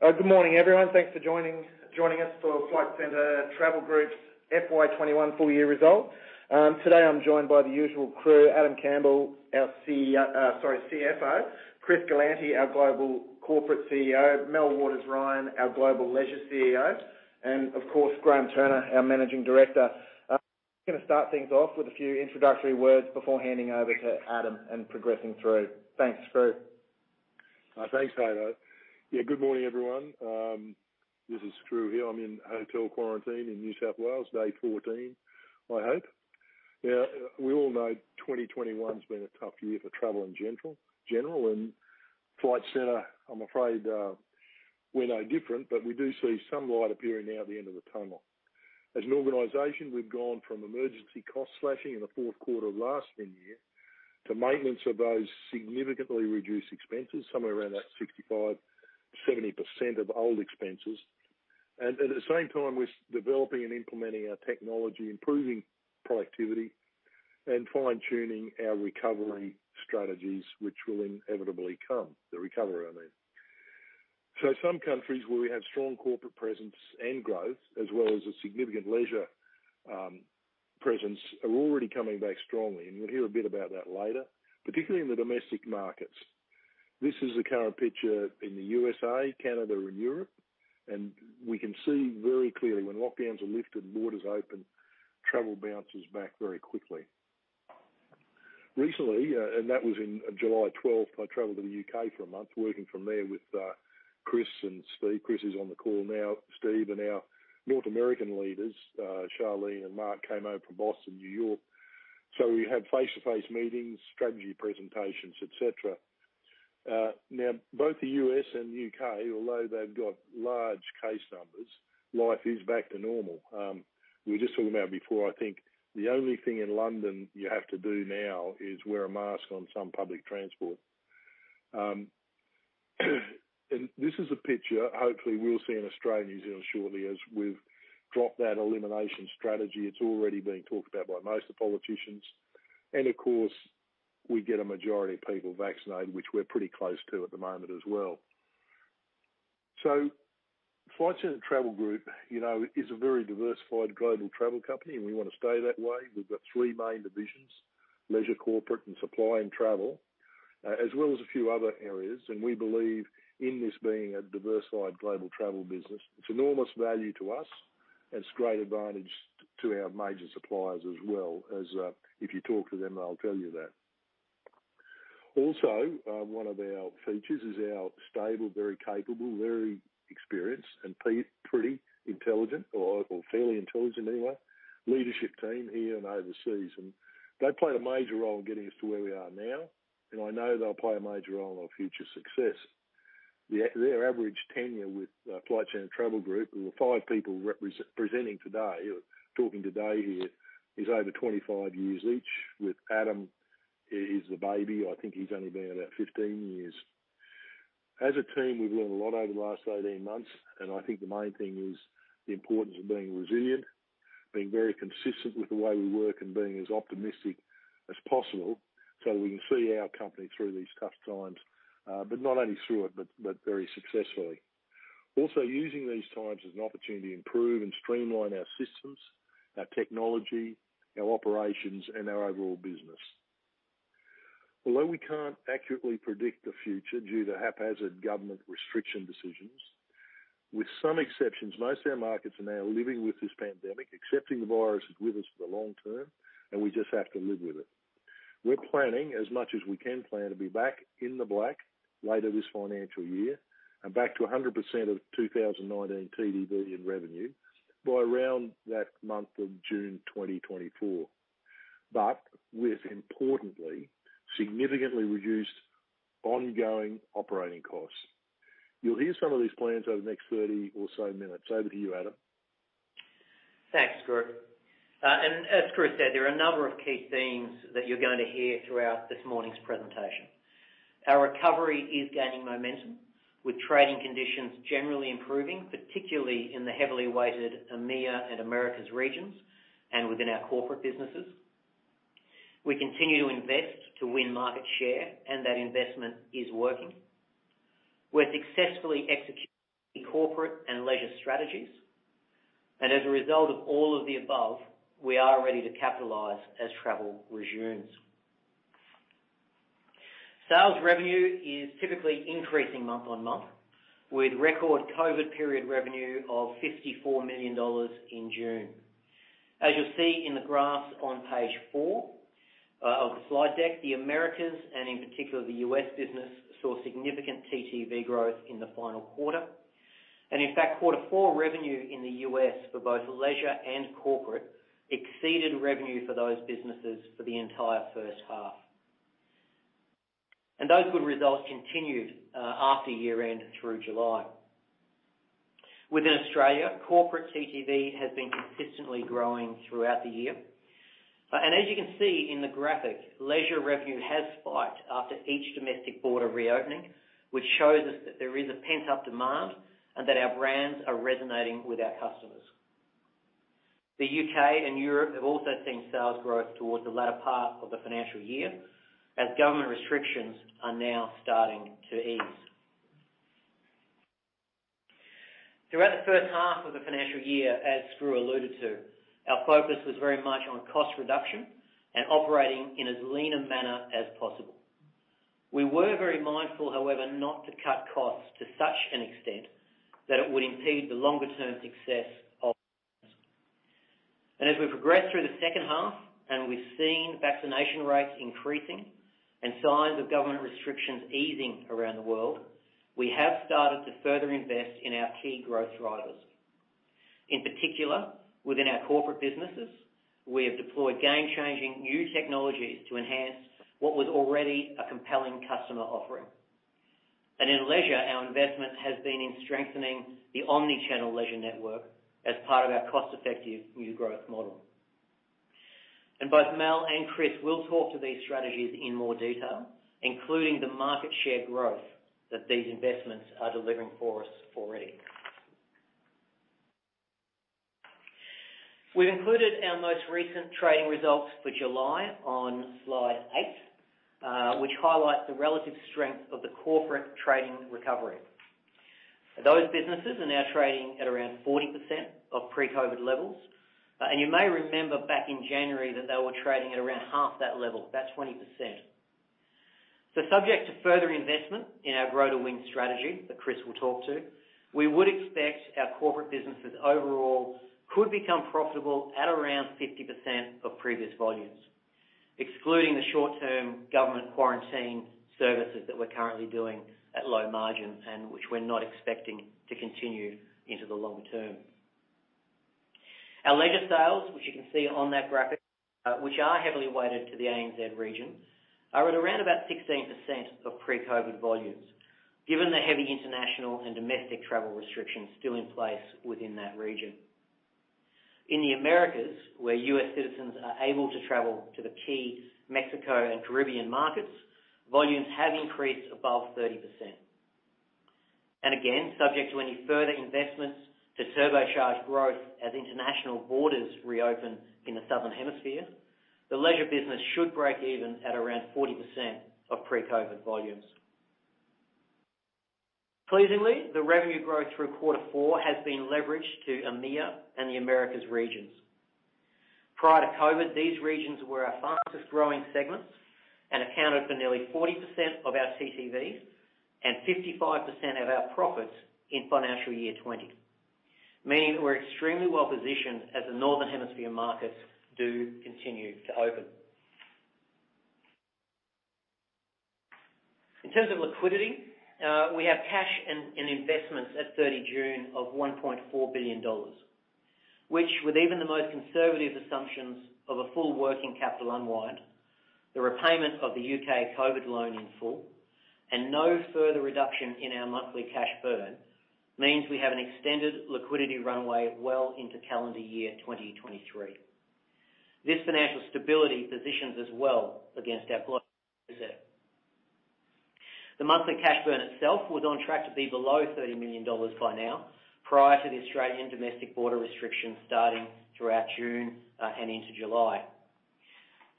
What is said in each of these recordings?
Good morning, everyone. Thanks for joining us for Flight Centre Travel Group's FY 2021 full year results. Today I'm joined by the usual crew, Adam Campbell, our CFO. Chris Galanty, our Global Corporate CEO. Melanie Waters-Ryan, our Global Leisure CEO, and of course, Graham Turner, our Managing Director. I'm going to start things off with a few introductory words before handing over to Adam and progressing through. Thanks, crew. Thanks, Haydn. Good morning, everyone. This is Turner here. I'm in hotel quarantine in New South Wales, day 14, I hope. We all know 2021 has been a tough year for travel in general. Flight Centre, I'm afraid we're no different, but we do see some light appearing now at the end of the tunnel. As an organization, we've gone from emergency cost slashing in the fourth quarter of last year to maintenance of those significantly reduced expenses, somewhere around that 65%-70% of old expenses. At the same time, we're developing and implementing our technology, improving productivity, and fine-tuning our recovery strategies, which will inevitably come. The recovery, I mean. Some countries where we have strong corporate presence and growth, as well as a significant leisure presence, are already coming back strongly. You'll hear a bit about that later, particularly in the domestic markets. This is the current picture in the U.S.A., Canada, and Europe. We can see very clearly when lockdowns are lifted and borders open, travel bounces back very quickly. Recently, and that was in July 12th, I traveled to the U.K. for a month, working from there with Chris and Steve. Chris is on the call now. Steve and our North American leaders, Charlene and Mark, came over from Boston, New York. We had face-to-face meetings, strategy presentations, et cetera. Now, both the U.S. and the U.K., although they've got large case numbers, life is back to normal. We were just talking about it before. I think the only thing in London you have to do now is wear a mask on some public transport. This is a picture hopefully we'll see in Australia and New Zealand shortly as we've dropped that elimination strategy. It's already been talked about by most of the politicians. Of course, we get a majority of people vaccinated, which we're pretty close to at the moment as well. Flight Centre Travel Group is a very diversified global travel company, and we want to stay that way. We've got three main divisions, leisure, corporate, and supply and travel, as well as a few other areas. We believe in this being a diversified global travel business. It's enormous value to us, and it's a great advantage to our major suppliers as well as if you talk to them, they'll tell you that. 1 of our features is our stable, very capable, very experienced, and pretty intelligent or fairly intelligent anyway, leadership team here and overseas. They played a major role in getting us to where we are now, and I know they'll play a major role in our future success. Their average tenure with Flight Centre Travel Group, and the five people presenting today, talking today here, is over 25 years each. With Adam, he's the baby. I think he's only been about 15 years. As a team, we've learned a lot over the last 18 months, and I think the main thing is the importance of being resilient, being very consistent with the way we work, and being as optimistic as possible so we can see our company through these tough times, but not only through it, but very successfully. Also using these times as an opportunity to improve and streamline our systems, our technology, our operations, and our overall business. Although we can't accurately predict the future due to haphazard government restriction decisions, with some exceptions, most of our markets are now living with this pandemic, accepting the virus is with us for the long term, and we just have to live with it. We're planning as much as we can plan to be back in the black later this financial year and back to 100% of 2019 TTV in revenue by around that month of June 2024. With importantly, significantly reduced ongoing operating costs. You'll hear some of these plans over the next 30 or so minutes. Over to you, Adam Campbell. Thanks, Turner. As Chris said, there are a number of key themes that you're going to hear throughout this morning's presentation. Our recovery is gaining momentum with trading conditions generally improving, particularly in the heavily weighted EMEA and Americas regions and within our corporate businesses. We continue to invest to win market share. That investment is working. We're successfully executing corporate and leisure strategies. As a result of all of the above, we are ready to capitalize as travel resumes. Sales revenue is typically increasing month-on-month with record COVID period revenue of 54 million dollars in June. As you'll see in the graphs on page four of the slide deck, the Americas, and in particular, the U.S. business, saw significant TTV growth in the final quarter. In fact, quarter four revenue in the U.S. for both leisure and corporate exceeded revenue for those businesses for the entire first half. Those good results continued after year-end through July. Within Australia, corporate TTV has been consistently growing throughout the year. As you can see in the graphic, leisure revenue has spiked after each domestic border reopening, which shows us that there is a pent-up demand and that our brands are resonating with our customers. The U.K. and Europe have also seen sales growth towards the latter part of the financial year as government restrictions are now starting to ease. Throughout the first half of the financial year, as Skroo alluded to, our focus was very much on cost reduction and operating in as lean a manner as possible. We were very mindful, however, not to cut costs to such an extent that it would impede the longer-term success of FCTG. As we progress through the second half and we've seen vaccination rates increasing and signs of government restrictions easing around the world, we have started to further invest in our key growth drivers. In particular, within our corporate businesses, we have deployed game-changing new technologies to enhance what was already a compelling customer offering. In leisure, our investment has been in strengthening the omni-channel leisure network as part of our cost-effective new growth model. Both Mel and Chris will talk to these strategies in more detail, including the market share growth that these investments are delivering for us already. We've included our most recent trading results for July on slide 8, which highlights the relative strength of the corporate trading recovery. Those businesses are now trading at around 40% of pre-COVID levels. You may remember back in January that they were trading at around half that level, about 20%. Subject to further investment in our Grow to Win strategy, that Chris will talk to, we would expect our corporate businesses overall could become profitable at around 50% of previous volumes, excluding the short-term government quarantine services that we're currently doing at low margins and which we're not expecting to continue into the long term. Our leisure sales, which you can see on that graphic, which are heavily weighted to the ANZ region, are at around about 16% of pre-COVID volumes, given the heavy international and domestic travel restrictions still in place within that region. In the Americas, where U.S. citizens are able to travel to the key Mexico and Caribbean markets, volumes have increased above 30%. Subject to any further investments to turbocharge growth as international borders reopen in the Southern Hemisphere, the leisure business should break even at around 40% of pre-COVID volumes. Pleasingly, the revenue growth through Quarter Four has been leveraged to EMEA and the Americas regions. Prior to COVID, these regions were our fastest-growing segments and accounted for nearly 40% of our TTV and 55% of our profits in Financial Year 2020, meaning we're extremely well-positioned as the Northern Hemisphere markets do continue to open. In terms of liquidity, we have cash and investments at 30 June of 1.4 billion dollars. Which with even the most conservative assumptions of a full working capital unwind, the repayment of the U.K. COVID loan in full, and no further reduction in our monthly cash burn, means we have an extended liquidity runway well into calendar year 2023. This financial stability positions us well against our competitors. The monthly cash burn itself was on track to be below 30 million dollars by now, prior to the Australian domestic border restrictions starting throughout June and into July.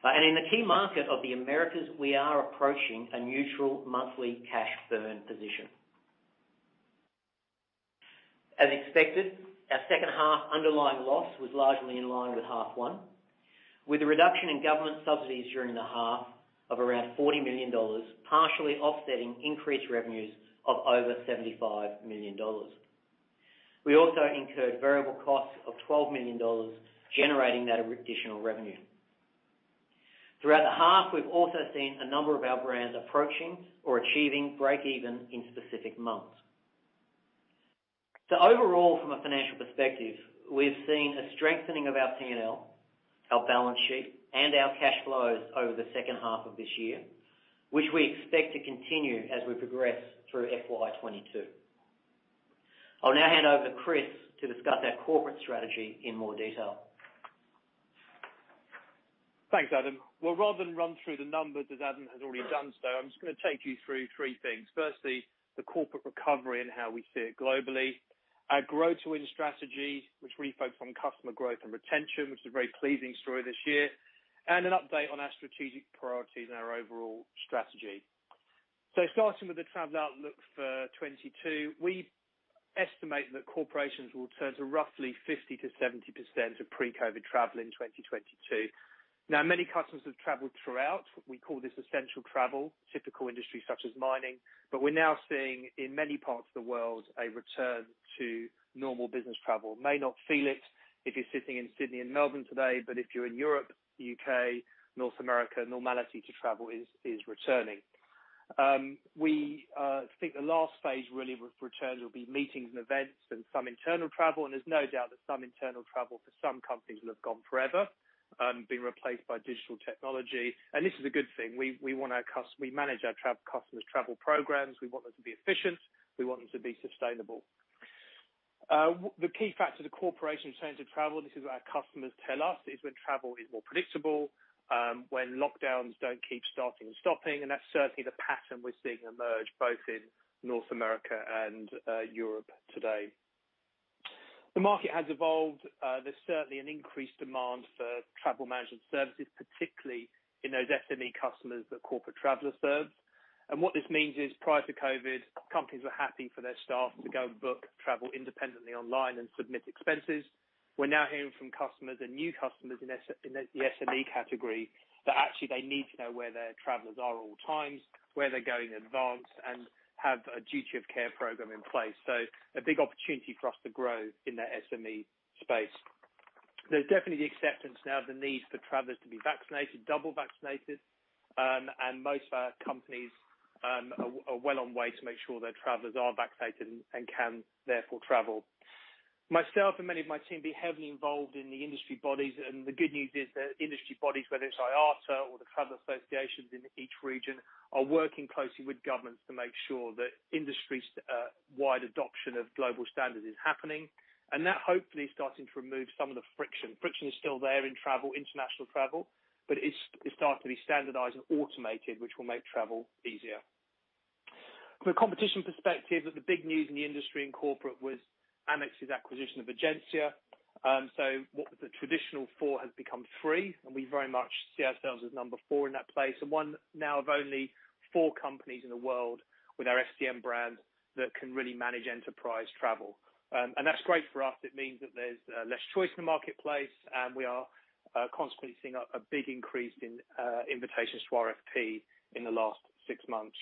In the key market of the Americas, we are approaching a neutral monthly cash burn position. As expected, our second half underlying loss was largely in line with half one, with a reduction in government subsidies during the half of around 40 million dollars, partially offsetting increased revenues of over 75 million dollars. We also incurred variable costs of 12 million dollars, generating that additional revenue. Throughout the half, we've also seen a number of our brands approaching or achieving break even in specific months. Overall, from a financial perspective, we've seen a strengthening of our P&L, our balance sheet, and our cash flows over the second half of this year, which we expect to continue as we progress through FY 2022. I'll now hand over to Chris to discuss our corporate strategy in more detail. Thanks, Adam. Rather than run through the numbers as Adam has already done so, I'm just going to take you through three things. Firstly, the corporate recovery and how we see it globally. Our Grow to Win strategy, which refocus on customer growth and retention, which is a very pleasing story this year. An update on our strategic priorities and our overall strategy. Starting with the travel outlook for 2022, we estimate that corporations will return to roughly 50%-70% of pre-COVID travel in 2022. Many customers have traveled throughout. We call this essential travel, typical industries such as mining. We're now seeing in many parts of the world a return to normal business travel. May not feel it if you're sitting in Sydney and Melbourne today, but if you're in Europe, U.K., North America, normality to travel is returning. We think the last phase really with return will be meetings and events and some internal travel. There's no doubt that some internal travel for some companies will have gone forever, been replaced by digital technology. This is a good thing. We manage our customers' travel programs. We want them to be efficient. We want them to be sustainable. The key factor to corporation returns of travel, this is what our customers tell us, is when travel is more predictable, when lockdowns don't keep starting and stopping, and that's certainly the pattern we're seeing emerge both in North America and Europe today. The market has evolved. There's certainly an increased demand for travel management services, particularly in those SME customers that Corporate Traveller serves. What this means is, prior to COVID, companies were happy for their staff to go and book travel independently online and submit expenses. We're now hearing from customers and new customers in the SME category that actually they need to know where their travelers are at all times, where they're going in advance, and have a duty of care program in place. A big opportunity for us to grow in that SME space. There's definitely the acceptance now of the need for travelers to be vaccinated, double vaccinated, and most companies are well on way to make sure their travelers are vaccinated and can therefore travel. Myself and many of my team be heavily involved in the industry bodies. The good news is that industry bodies, whether it's IATA or the travel associations in each region, are working closely with governments to make sure that industry-wide adoption of global standard is happening, and that hopefully is starting to remove some of the friction. Friction is still there in travel, international travel, but it's starting to be standardized and automated, which will make travel easier. From a competition perspective, the big news in the industry in corporate was Amex's acquisition of Egencia. What was the traditional four has become three, and we very much see ourselves as number four in that place, and one now of only four companies in the world with our FCM brand that can really manage enterprise travel. That's great for us. It means that there's less choice in the marketplace, and we are constantly seeing a big increase in invitations to RFP in the last six months.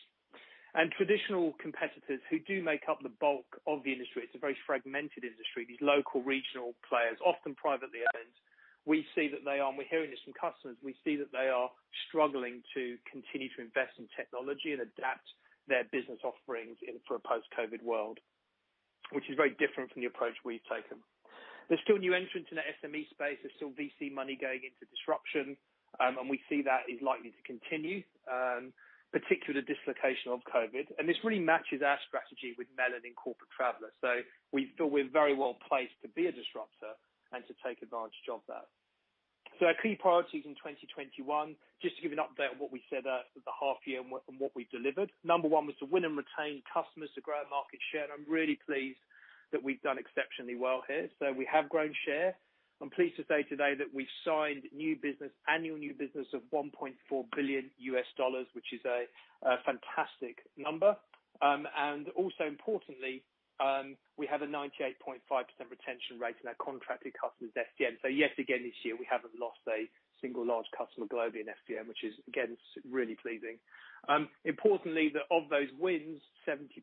Traditional competitors who do make up the bulk of the industry, it's a very fragmented industry. These local regional players, often privately owned. We're hearing this from customers. We see that they are struggling to continue to invest in technology and adapt their business offerings for a post-COVID world, which is very different from the approach we've taken. There's still new entrants in the SME space. There's still VC money going into disruption, and we see that is likely to continue, particularly the dislocation of COVID. This really matches our strategy with Melon in Corporate Traveller. We feel we're very well placed to be a disruptor and to take advantage of that. Our key priorities in 2021, just to give an update on what we said at the half year and what we've delivered. Number 1 was to win and retain customers to grow our market share. I'm really pleased that we've done exceptionally well here. We have grown share. I'm pleased to say today that we've signed new business, annual new business of $1.4 billion U.S., which is a fantastic number. Also importantly, we have a 98.5% retention rate in our contracted customers, FCM. Yet again, this year, we haven't lost a single large customer globally in FCM, which is again, really pleasing. Importantly, that of those wins, 70%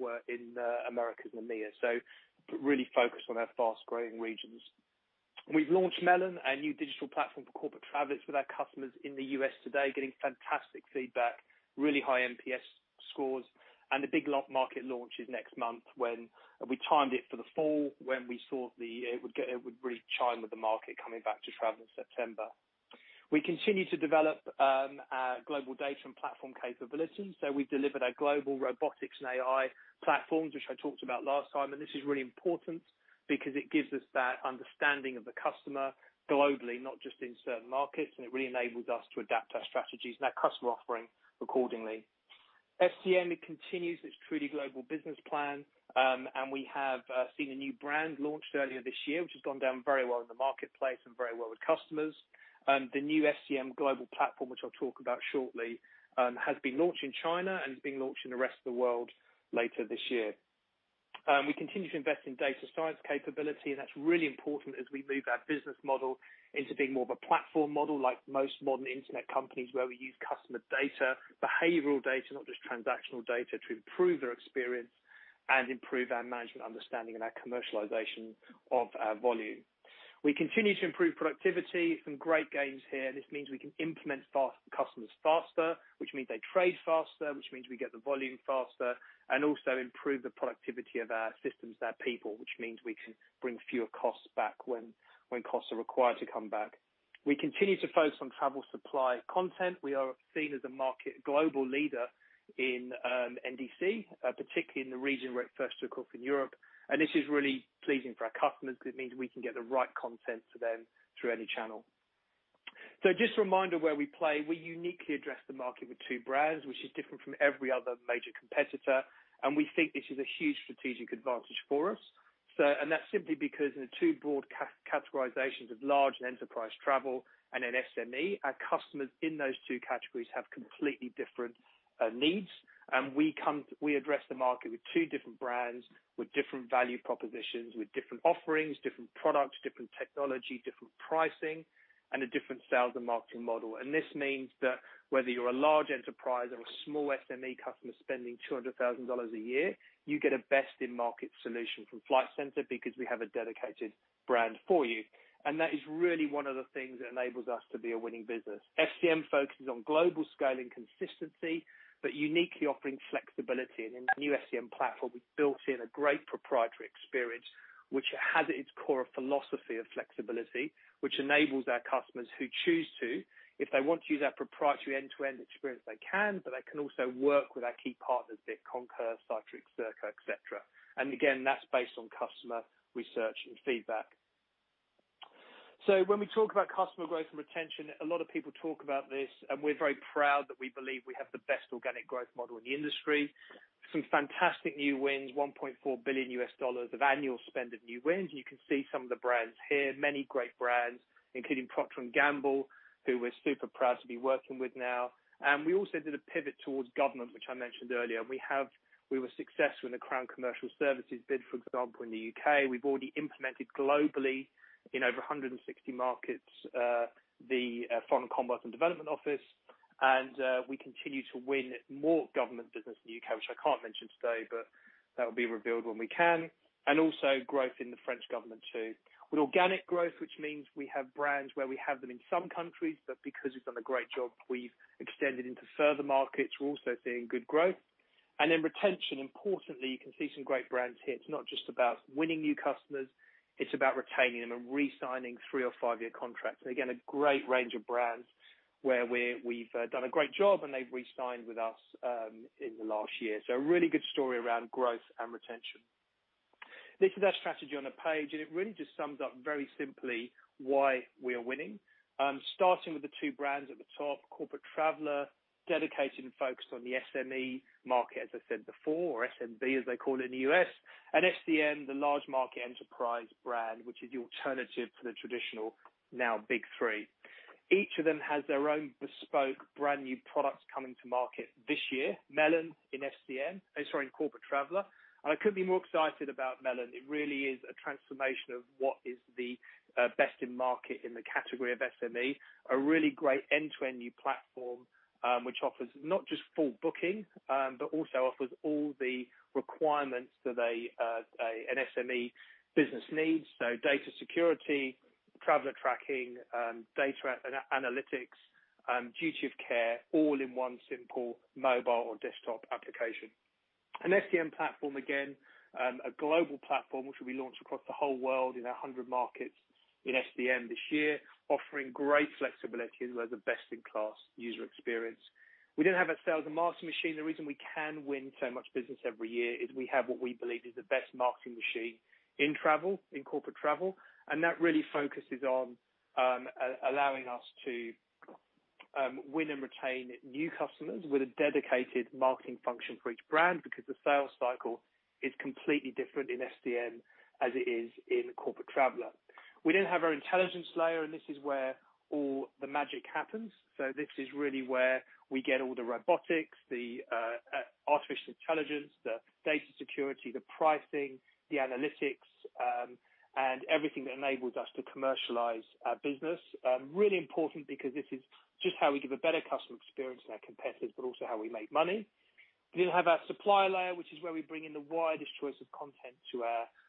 were in Americas and EMEA. Really focused on our fast-growing regions. We've launched Melon, a new digital platform for corporate travelers with our customers in the U.S. today, getting fantastic feedback, really high NPS scores, and the big market launch is next month when we timed it for the fall, when we saw it would really chime with the market coming back to travel in September. We continue to develop our global data and platform capabilities. We've delivered our global robotics and AI platforms, which I talked about last time, and this is really important because it gives us that understanding of the customer globally, not just in certain markets, and it really enables us to adapt our strategies and our customer offering accordingly. FCM continues its truly global business plan, and we have seen a new brand launched earlier this year, which has gone down very well in the marketplace and very well with customers. The new FCM global platform, which I'll talk about shortly, has been launched in China and is being launched in the rest of the world later this year. We continue to invest in data science capability, and that's really important as we move our business model into being more of a platform model like most modern internet companies, where we use customer data, behavioral data, not just transactional data, to improve their experience and improve our management understanding and our commercialization of our volume. We continue to improve productivity, some great gains here. This means we can implement customers faster, which means they trade faster, which means we get the volume faster, and also improve the productivity of our systems, our people, which means we can bring fewer costs back when costs are required to come back. We continue to focus on travel supply content. We are seen as a market global leader in NDC, particularly in the region where it first took off in Europe. This is really pleasing for our customers because it means we can get the right content to them through any channel. Just a reminder where we play. We uniquely address the market with two brands, which is different from every other major competitor, and we think this is a huge strategic advantage for us. That's simply because in the two broad categorizations of large enterprise travel and in SME, our customers in those two categories have completely different needs. We address the market with two different brands, with different value propositions, with different offerings, different products, different technology, different pricing, and a different sales and marketing model. This means that whether you're a large enterprise or a small SME customer spending 200,000 dollars a year, you get a best-in-market solution from Flight Centre because we have a dedicated brand for you. That is really one of the things that enables us to be a winning business. FCM focuses on global scale and consistency, uniquely offering flexibility. In the new FCM platform, we've built in a great proprietary experience, which has at its core a philosophy of flexibility, which enables our customers who choose to, if they want to use our proprietary end-to-end experience, they can, they can also work with our key partners, be it Concur, Cytric, Serko, et cetera. Again, that's based on customer research and feedback. When we talk about customer growth and retention, a lot of people talk about this, we're very proud that we believe we have the best organic growth model in the industry. Some fantastic new wins, AUD 1.4 billion of annual spend of new wins. You can see some of the brands here, many great brands, including Procter & Gamble, who we're super proud to be working with now. We also did a pivot towards government, which I mentioned earlier, and we were successful in the Crown Commercial Service bid, for example, in the U.K. We've already implemented globally in over 160 markets, the Foreign, Commonwealth and Development Office, and we continue to win more government business in the U.K., which I can't mention today, but that will be revealed when we can, and also growth in the French government too. With organic growth, which means we have brands where we have them in some countries, but because we've done a great job, we've extended into further markets. We're also seeing good growth. Retention, importantly, you can see some great brands here. It's not just about winning new customers, it's about retaining them and re-signing 3 or 5-year contracts. Again, a great range of brands where we've done a great job, and they've re-signed with us in the last year. A really good story around growth and retention. This is our strategy on a page, and it really just sums up very simply why we are winning. Starting with the two brands at the top, Corporate Traveller, dedicated and focused on the SME market, as I said before, or SMB as they call it in the U.S., and FCM, the large market enterprise brand, which is the alternative to the traditional now big three. Each of them has their own bespoke brand-new products coming to market this year. Melon in Corporate Traveller. I couldn't be more excited about Melon. It really is a transformation of what is the best in market in the category of SME, a really great end-to-end new platform, which offers not just full booking, but also offers all the requirements that an SME business needs. Data security, traveler tracking, data analytics, duty of care, all in one simple mobile or desktop application. An FCM platform, again, a global platform which will be launched across the whole world in 100 markets in FCM this year, offering great flexibility as well as a best-in-class user experience. We have our sales and marketing machine. The reason we can win so much business every year is we have what we believe is the best marketing machine in travel, in corporate travel, and that really focuses on allowing us to win and retain new customers with a dedicated marketing function for each brand, because the sales cycle is completely different in FCM as it is in Corporate Traveller. We have our intelligence layer, and this is where all the magic happens. This is really where we get all the robotics, the artificial intelligence, the data security, the pricing, the analytics, and everything that enables us to commercialize our business. Really important because this is just how we give a better customer experience than our competitors, but also how we make money. We have our supplier layer, which is where we bring in the widest choice of content to our customers.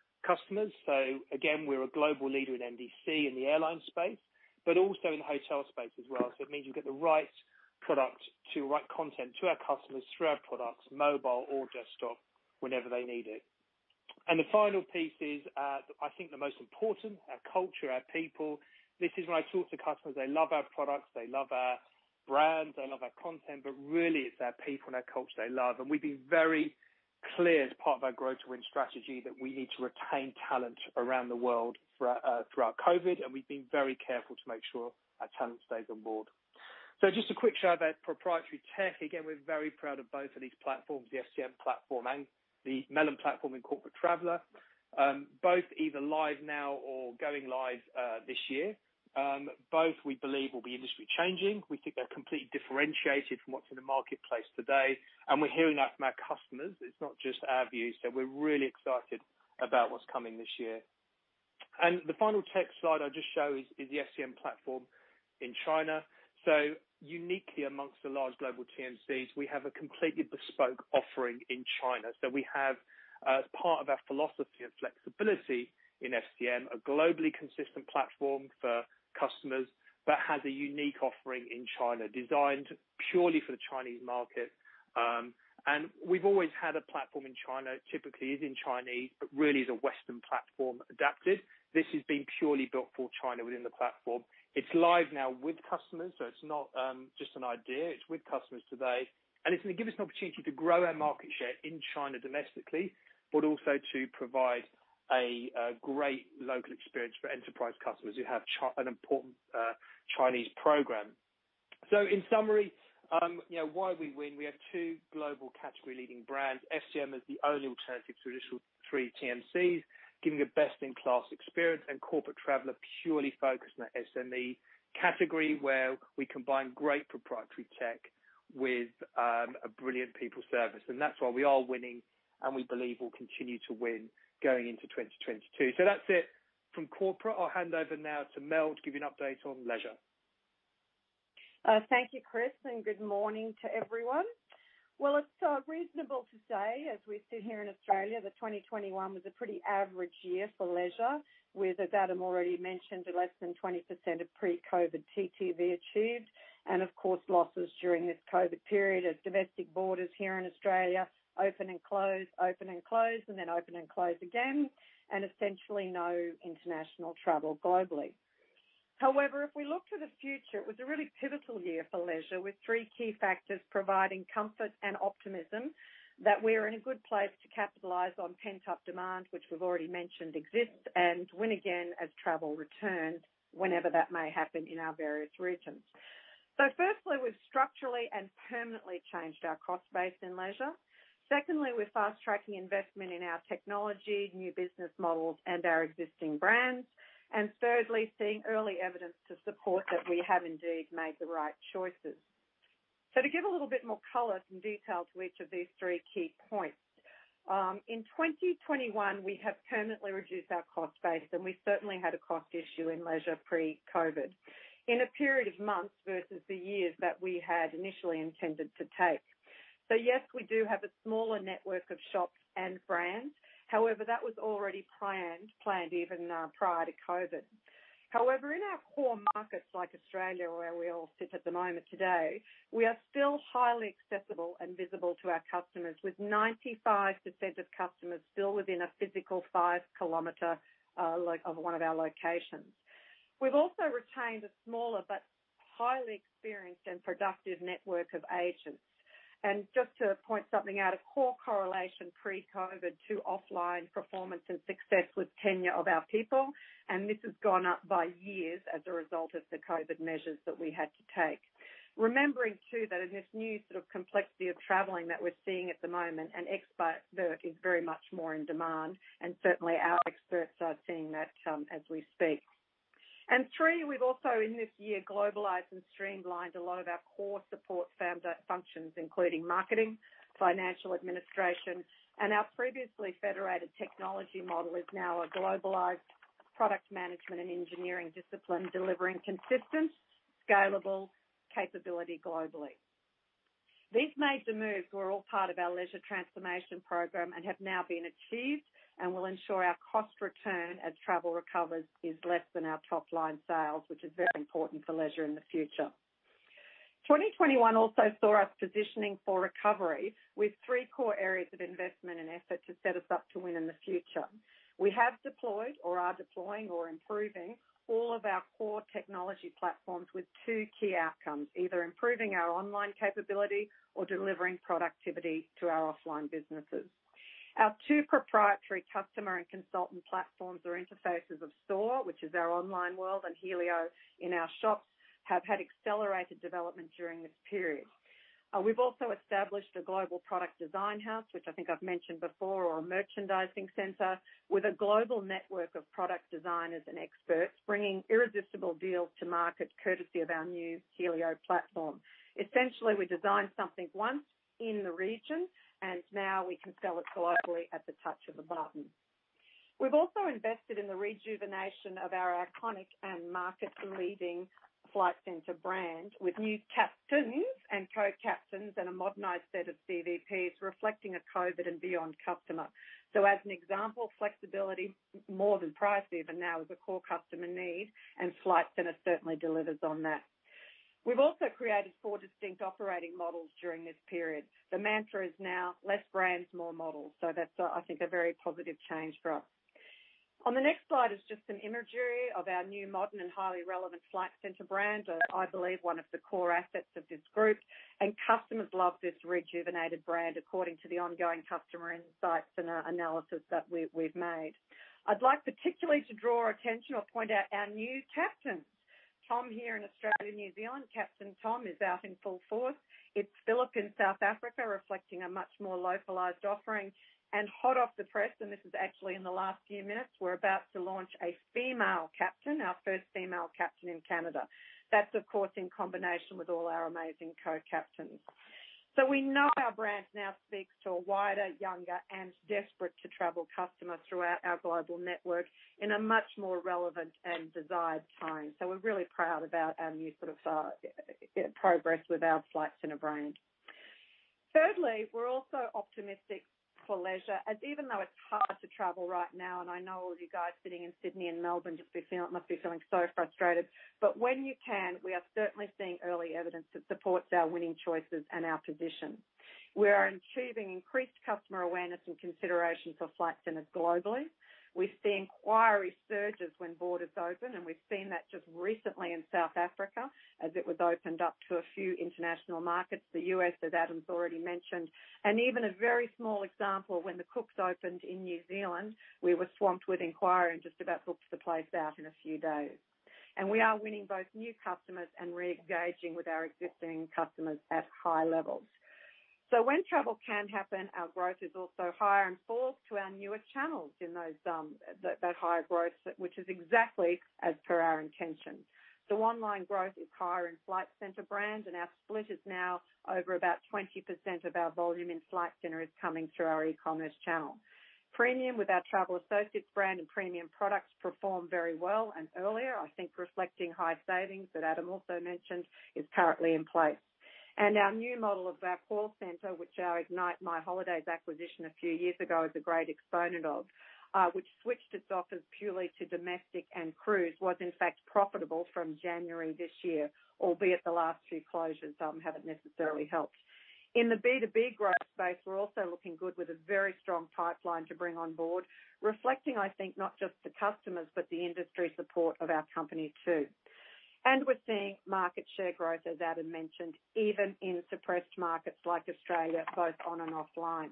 Again, we're a global leader in NDC in the airline space, but also in the hotel space as well. It means we get the right product to the right content to our customers through our products, mobile or desktop, whenever they need it. The final piece is, I think, the most important, our culture, our people. This is when I talk to customers, they love our products, they love our brands, they love our content, but really it's our people and our culture they love. We've been very clear as part of our Grow to Win strategy that we need to retain talent around the world throughout COVID, and we've been very careful to make sure our talent stays on board. Just a quick show of our proprietary tech. We're very proud of both of these platforms, the FCM platform and the Melon platform in Corporate Traveller. Both either live now or going live this year. Both we believe will be industry changing. We think they're completely differentiated from what's in the marketplace today, and we're hearing that from our customers. It's not just our view. We're really excited about what's coming this year. The final tech slide I'll just show is the FCM platform in China. Uniquely amongst the large global TMCs, we have a completely bespoke offering in China. We have, as part of our philosophy of flexibility in FCM, a globally consistent platform for customers that has a unique offering in China designed purely for the Chinese market. We've always had a platform in China. It typically is in Chinese, but really is a Western platform adapted. This has been purely built for China within the platform. It's live now with customers, so it's not just an idea. It's with customers today. It's going to give us an opportunity to grow our market share in China domestically, but also to provide a great local experience for enterprise customers who have an important Chinese program. In summary, why we win? We have two global category leading brands. FCM is the only alternative to traditional three TMCs, giving a best-in-class experience, and Corporate Traveller purely focused on the SME category where we combine great proprietary tech with a brilliant people service. That's why we are winning and we believe will continue to win going into 2022. That's it from corporate. I'll hand over now to Mel to give you an update on leisure. Thank you, Chris, and good morning to everyone. Well, it's reasonable to say, as we sit here in Australia, that 2021 was a pretty average year for leisure, with, as Adam already mentioned, less than 20% of pre-COVID TTV achieved, and of course, losses during this COVID period as domestic borders here in Australia open and close, open and close, and then open and close again, and essentially no international travel globally. If we look to the future, it was a really pivotal year for leisure, with three key factors providing comfort and optimism that we're in a good place to capitalize on pent-up demand, which we've already mentioned exists, and win again as travel returns whenever that may happen in our various regions. Firstly, we've structurally and permanently changed our cost base in leisure. Secondly, we're fast-tracking investment in our technology, new business models, and our existing brands. Thirdly, seeing early evidence to support that we have indeed made the right choices. To give a little bit more color and detail to each of these three key points. In 2021, we have permanently reduced our cost base, and we certainly had a cost issue in leisure pre-COVID, in a period of months versus the years that we had initially intended to take. Yes, we do have a smaller network of shops and brands. However, that was already planned even prior to COVID. However, in our core markets like Australia, where we all sit at the moment today, we are still highly accessible and visible to our customers, with 95% of customers still within a physical five-kilometer of one of our locations. We've also retained a smaller but highly experienced and productive network of agents. Just to point something out, a core correlation pre-COVID to offline performance and success was tenure of our people, and this has gone up by years as a result of the COVID measures that we had to take. Remembering, too, that in this new sort of complexity of traveling that we're seeing at the moment, an expert is very much more in demand, and certainly our experts are seeing that as we speak. Three, we've also in this year globalized and streamlined a lot of our core support functions, including marketing, financial administration, and our previously federated technology model is now a globalized product management and engineering discipline delivering consistent, scalable capability globally. These major moves were all part of our Leisure Transformation Program and have now been achieved and will ensure our cost return as travel recovers is less than our top-line sales, which is very important for leisure in the future. 2021 also saw us positioning for recovery with three core areas of investment and effort to set us up to win in the future. We have deployed or are deploying or improving all of our core technology platforms with two key outcomes, either improving our online capability or delivering productivity to our offline businesses. Our two proprietary customer and consultant platforms are interfaces of Store, which is our online world, and Helio in our shops have had accelerated development during this period. We've also established a global product design house, which I think I've mentioned before, or a merchandising center with a global network of product designers and experts bringing irresistible deals to market courtesy of our new Helio platform. Essentially, we design something once in the region and now we can sell it globally at the touch of a button. We've also invested in the rejuvenation of our iconic and market-leading Flight Centre brand with new captains and co-captains and a modernized set of CVPs reflecting a COVID and beyond customer. As an example, flexibility more than price even now is a core customer need, and Flight Centre certainly delivers on that. We've also created four distinct operating models during this period. The mantra is now less brands, more models. That's, I think, a very positive change for us. On the next slide is just some imagery of our new, modern, and highly relevant Flight Centre brand. I believe one of the core assets of this group, and customers love this rejuvenated brand according to the ongoing customer insights and analysis that we've made. I'd like particularly to draw attention or point out our new captain. Tom here in Australia, New Zealand, Captain Tom is out in full force. It's Philip in South Africa, reflecting a much more localized offering. Hot off the press, and this is actually in the last few minutes, we're about to launch a female captain, our first female captain in Canada. That's, of course, in combination with all our amazing co-captains. We know our brand now speaks to a wider, younger, and desperate-to-travel customer throughout our global network in a much more relevant and desired tone. We're really proud about our new progress with our Flight Centre brand. Thirdly, we're also optimistic for leisure, as even though it's hard to travel right now, and I know all you guys sitting in Sydney and Melbourne must be feeling so frustrated. When you can, we are certainly seeing early evidence that supports our winning choices and our position. We are achieving increased customer awareness and consideration for Flight Centre globally. We see inquiry surges when borders open, and we've seen that just recently in South Africa as it was opened up to a few international markets. The U.S., as Adam's already mentioned. Even a very small example, when the Cooks opened in New Zealand, we were swamped with inquiry and just about booked the place out in a few days. We are winning both new customers and re-engaging with our existing customers at high levels. When travel can happen, our growth is also higher and falls to our newest channels in that higher growth, which is exactly as per our intention. Online growth is higher in Flight Centre brands, and our split is now over about 20% of our volume in Flight Centre is coming through our e-commerce channel. Premium with our Travel Associates brand and premium products performed very well and earlier, I think reflecting high savings that Adam also mentioned is currently in place. Our new model of our call center, which our Ignite My Holidays acquisition a few years ago is a great exponent of, which switched its offers purely to domestic and cruise, was in fact profitable from January this year, albeit the last few closures haven't necessarily helped. In the B2B growth space, we're also looking good with a very strong pipeline to bring on board, reflecting, I think, not just the customers, but the industry support of our company too. We're seeing market share growth, as Adam mentioned, even in suppressed markets like Australia, both on and offline.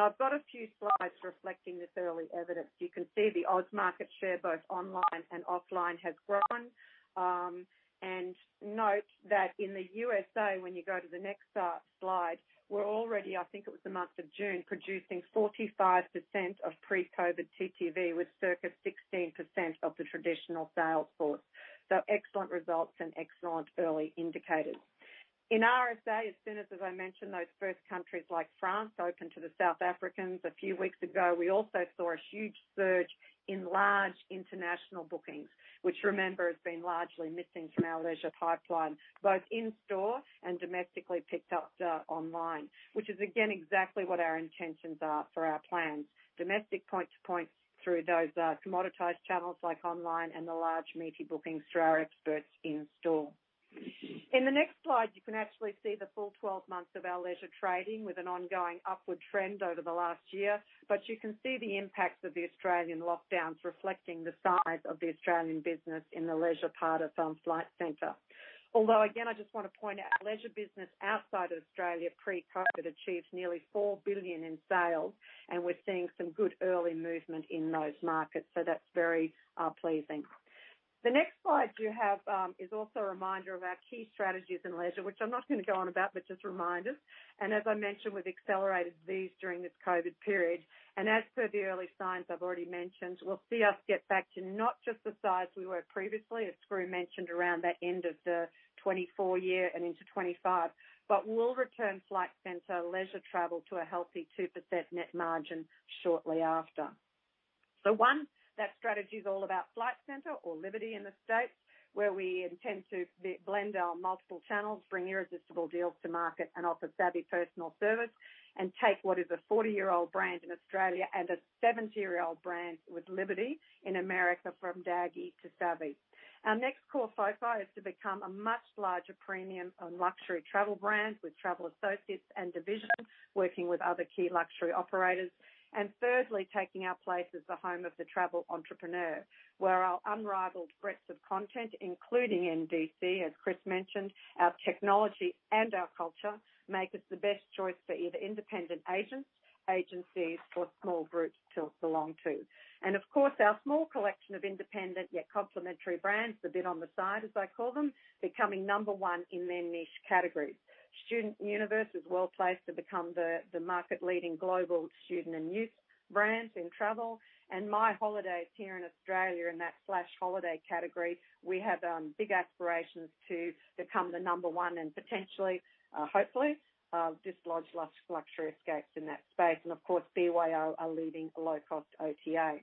I've got a few slides reflecting this early evidence. You can see the Oz market share, both online and offline, has grown. Note that in the USA, when you go to the next slide, we're already, I think it was the month of June, producing 45% of pre-COVID TTV with circa 16% of the traditional sales force. Excellent results and excellent early indicators. In RSA, as soon as I mentioned, those first countries like France opened to the South Africans a few weeks ago, we also saw a huge surge in large international bookings, which remember, has been largely missing from our leisure pipeline, both in-store and domestically picked up online, which is again exactly what our intentions are for our plans. Domestic point to points through those commoditized channels like online and the large meaty bookings through our experts in-store. In the next slide, you can actually see the full 12 months of our leisure trading with an ongoing upward trend over the last year, but you can see the impacts of the Australian lockdowns reflecting the size of the Australian business in the leisure part of Flight Centre. Although again, I just want to point out, leisure business outside of Australia pre-COVID achieved nearly 4 billion in sales, and we're seeing some good early movement in those markets, so that's very pleasing. The next slide you have is also a reminder of our key strategies in leisure, which I'm not going to go on about, but just remind us. As I mentioned, we've accelerated these during this COVID period. As per the early signs I've already mentioned, we'll see us get back to not just the size we were previously, as Skroo mentioned, around that end of the 2024 year and into 2025, but we'll return Flight Centre leisure travel to a healthy 2% net margin shortly after. 1, that strategy is all about Flight Centre or Liberty in the States, where we intend to blend our multiple channels, bring irresistible deals to market and offer savvy personal service, and take what is a 40-year-old brand in Australia and a 70-year-old brand with Liberty in America from daggy to savvy. Our next core focus is to become a much larger premium on luxury travel brands with Travel Associates and divisions, working with other key luxury operators. Thirdly, taking our place as the Home of the Travel Entrepreneur, where our unrivaled breadth of content, including NDC, as Chris mentioned, our technology and our culture make us the best choice for either independent agents, agencies or small groups to belong to. Of course, our small collection of independent yet complementary brands, the bit on the side, as I call them, becoming number 1 in their niche categories. StudentUniverse is well-placed to become the market leading global student and youth brand in travel. My Holiday here in Australia in that flash holiday category, we have big aspirations to become the number one and potentially, hopefully, dislodge Luxury Escapes in that space. Of course, BYO, our leading low-cost OTA.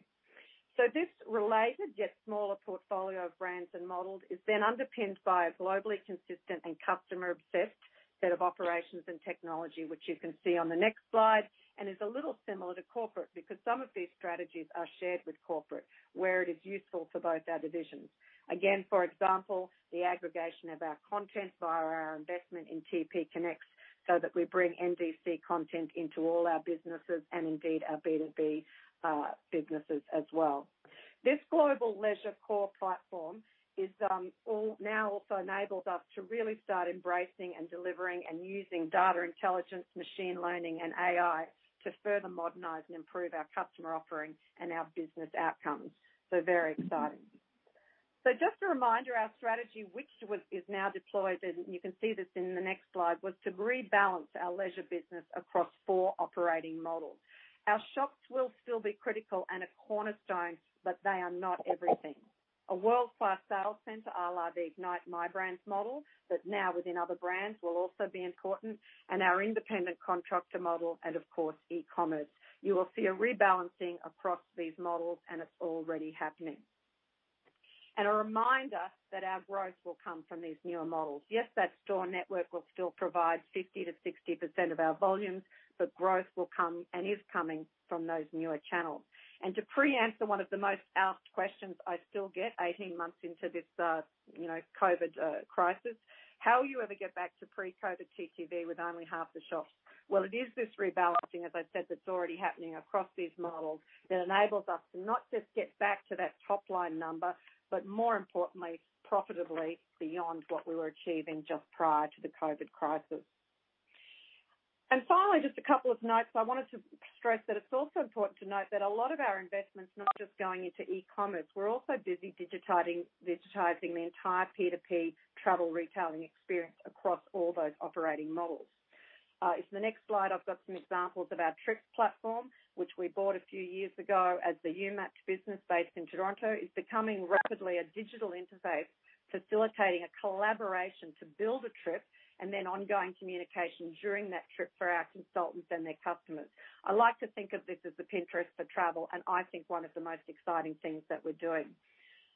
This related, yet smaller portfolio of brands and models is then underpinned by a globally consistent and customer-obsessed set of operations and technology, which you can see on the next slide, and is a little similar to Corporate because some of these strategies are shared with Corporate where it is useful for both our divisions. Again, for example, the aggregation of our content via our investment in TPConnects so that we bring NDC content into all our businesses and indeed our B2B businesses as well. This global leisure core platform now also enables us to really start embracing and delivering and using data intelligence, machine learning, and AI to further modernize and improve our customer offering and our business outcomes. Very exciting. Just a reminder, our strategy, which is now deployed, and you can see this in the next slide, was to rebalance our leisure business across four operating models. Our shops will still be critical and a cornerstone, but they are not everything. A world-class sales center a la the Ignite My Brands model, but now within other brands will also be important, and our independent contractor model, and of course, e-commerce. You will see a rebalancing across these models, and it's already happening. A reminder that our growth will come from these newer models. Yes, that store network will still provide 50%-60% of our volumes, but growth will come and is coming from those newer channels. To pre-answer one of the most asked questions I still get 18 months into this COVID crisis, how will you ever get back to pre-COVID TTV with only half the shops? Well, it is this rebalancing, as I said, that's already happening across these models that enables us to not just get back to that top-line number, but more importantly, profitably beyond what we were achieving just prior to the COVID crisis. Finally, just a couple of notes. I wanted to stress that it's also important to note that a lot of our investment is not just going into e-commerce. We're also busy digitizing the entire P2P travel retailing experience across all those operating models. In the next slide, I've got some examples of our Umapped platform, which we bought a few years ago as the Umapped business based in Toronto. It's becoming rapidly a digital interface, facilitating a collaboration to build a trip and then ongoing communication during that trip for our consultants and their customers. I like to think of this as the Pinterest for travel, and I think one of the most exciting things that we're doing.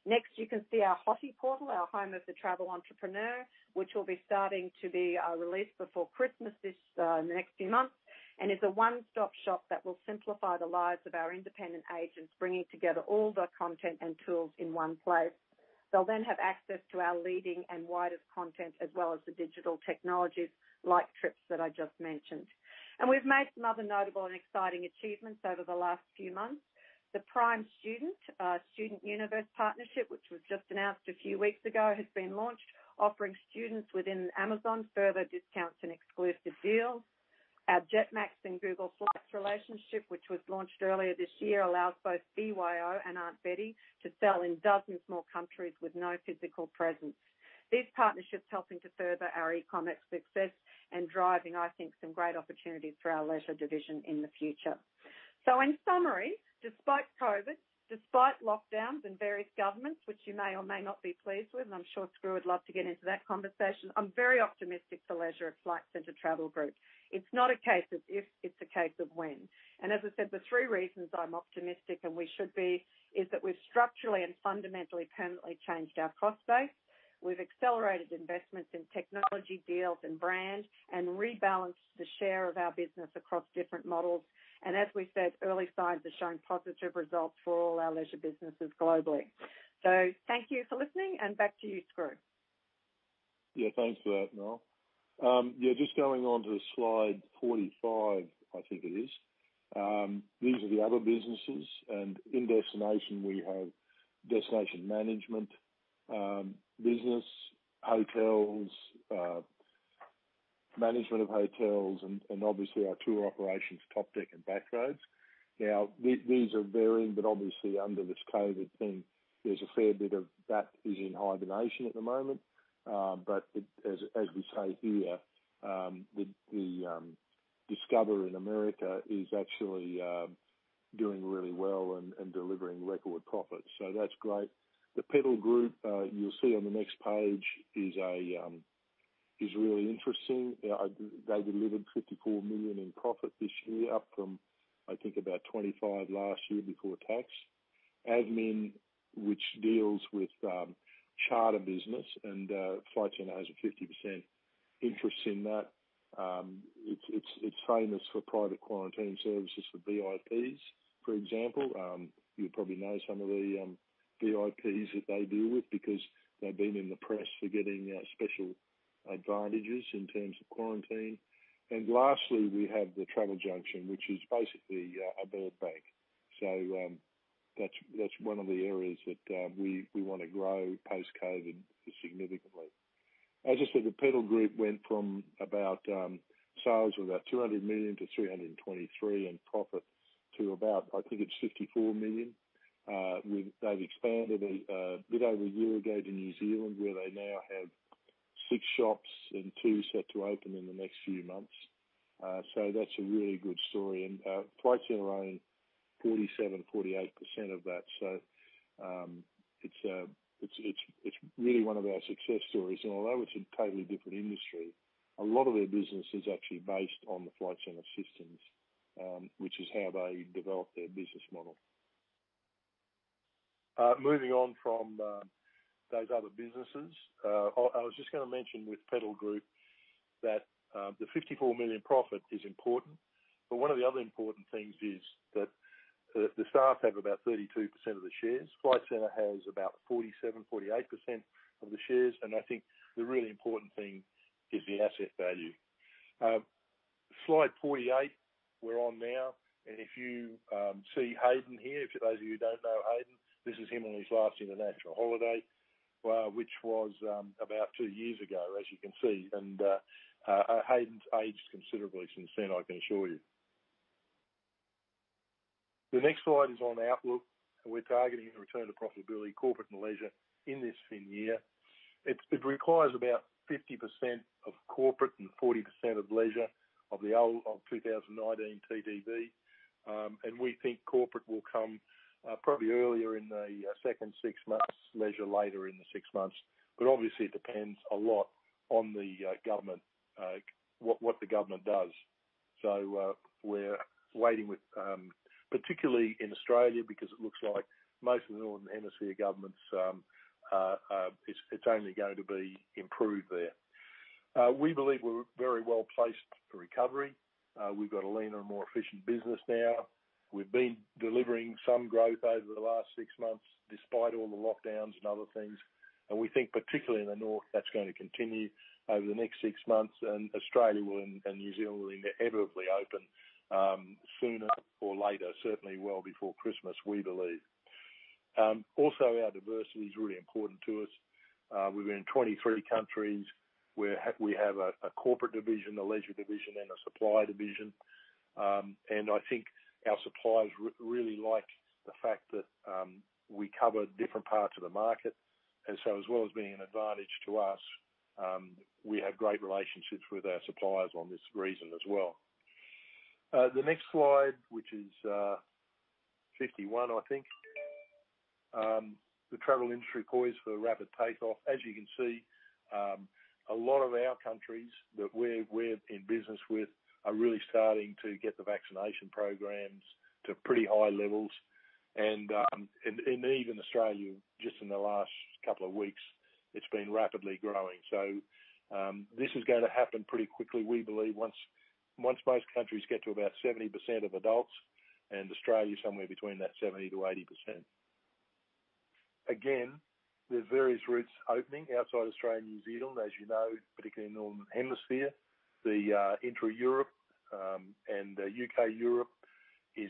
Next, you can see our HOTE portal, our Home of the Travel Entrepreneur, which will be starting to be released before Christmas in the next few months, and is a one-stop shop that will simplify the lives of our independent agents, bringing together all the content and tools in one place. They'll then have access to our leading and widest content as well as the digital technologies like Umapped that I just mentioned. We've made some other notable and exciting achievements over the last few months. The Prime Student, our StudentUniverse partnership, which was just announced a few weeks ago, has been launched offering students within Amazon further discounts and exclusive deals. Our Jetmax and Google Flights relationship, which was launched earlier this year, allows both BYOjet and Aunt Betty to sell in dozens more countries with no physical presence. These partnerships helping to further our e-commerce success and driving, I think, some great opportunities for our leisure division in the future. In summary, despite COVID, despite lockdowns and various governments, which you may or may not be pleased with, and I'm sure Skroo would love to get into that conversation, I'm very optimistic for leisure at Flight Centre Travel Group. It's not a case of if, it's a case of when. As I said, the three reasons I'm optimistic, and we should be, is that we've structurally and fundamentally permanently changed our cost base. We've accelerated investments in technology deals and brand, and rebalanced the share of our business across different models. As we said, early signs are showing positive results for all our leisure businesses globally. Thank you for listening, and back to you, Graham Turner. Thanks for that, Melanie. Just going on to slide 45, I think it is. These are the other businesses, and in destination, we have destination management business, hotels, management of hotels, and obviously our tour operations, Topdeck and Back-Roads. These are varying, but obviously under this COVID thing, there's a fair bit of that is in hibernation at the moment. As we say here, the Discova in America is actually doing really well and delivering record profits. That's great. The Pedal Group, you'll see on the next page, is really interesting. They delivered 54 million in profit this year, up from I think about 25 million last year before tax. AVMIN, which deals with charter business, and Flight Centre has a 50% interest in that. It's famous for private quarantine services for VIPs, for example. You probably know some of the VIPs that they deal with because they've been in the press for getting special advantages in terms of quarantine. Lastly, we have The Travel Junction, which is basically a bed bank. That's one of the areas that we want to grow post-COVID significantly. As I said, the Pedal Group went from about sales of about 200 million to 323 million in profit to about, I think it's 54 million. They've expanded a bit over a year ago to New Zealand, where they now have six shops and two set to open in the next few months. That's a really good story. Flight Centre own 47%-48% of that. It's really one of our success stories. Although it's a totally different industry, a lot of their business is actually based on the Flight Centre systems, which is how they develop their business model. Moving on from those other businesses. I was just going to mention with Pedal Group that the 54 million profit is important. One of the other important things is that the staff have about 32% of the shares. Flight Centre has about 47%, 48% of the shares, and I think the really important thing is the asset value. Slide 48, we're on now, and if you see Haydn here, for those of you who don't know Haydn, this is him on his last international holiday, which was about two years ago, as you can see. Haydn's aged considerably since then, I can assure you. The next slide is on outlook. We're targeting a return to profitability, corporate and leisure in this FY. It requires about 50% of corporate and 40% of leisure of 2019 TTV. We think corporate will come probably earlier in the second six months, leisure later in the six months. Obviously it depends a lot on what the government does. We're waiting particularly in Australia, because it looks like most of the northern hemisphere governments, it's only going to be improved there. We believe we're very well placed for recovery. We've got a leaner and more efficient business now. We've been delivering some growth over the last six months, despite all the lockdowns and other things. We think particularly in the north, that's going to continue over the next six months, and Australia and New Zealand will inevitably open sooner or later, certainly well before Christmas, we believe. Our diversity is really important to us. We're in 23 countries. We have a corporate division, a leisure division, and a supply division. I think our suppliers really like the fact that we cover different parts of the market. As well as being an advantage to us, we have great relationships with our suppliers on this reason as well. The next slide, which is 51, I think. The travel industry poised for a rapid takeoff. As you can see, a lot of our countries that we're in business with are really starting to get the vaccination programs to pretty high levels. Even Australia, just in the last couple of weeks, it's been rapidly growing. This is going to happen pretty quickly, we believe, once most countries get to about 70% of adults, and Australia is somewhere between that 70%-80%. Again, there are various routes opening outside Australia and New Zealand, as you know, particularly in the northern hemisphere. The intra-Europe and U.K.-Europe is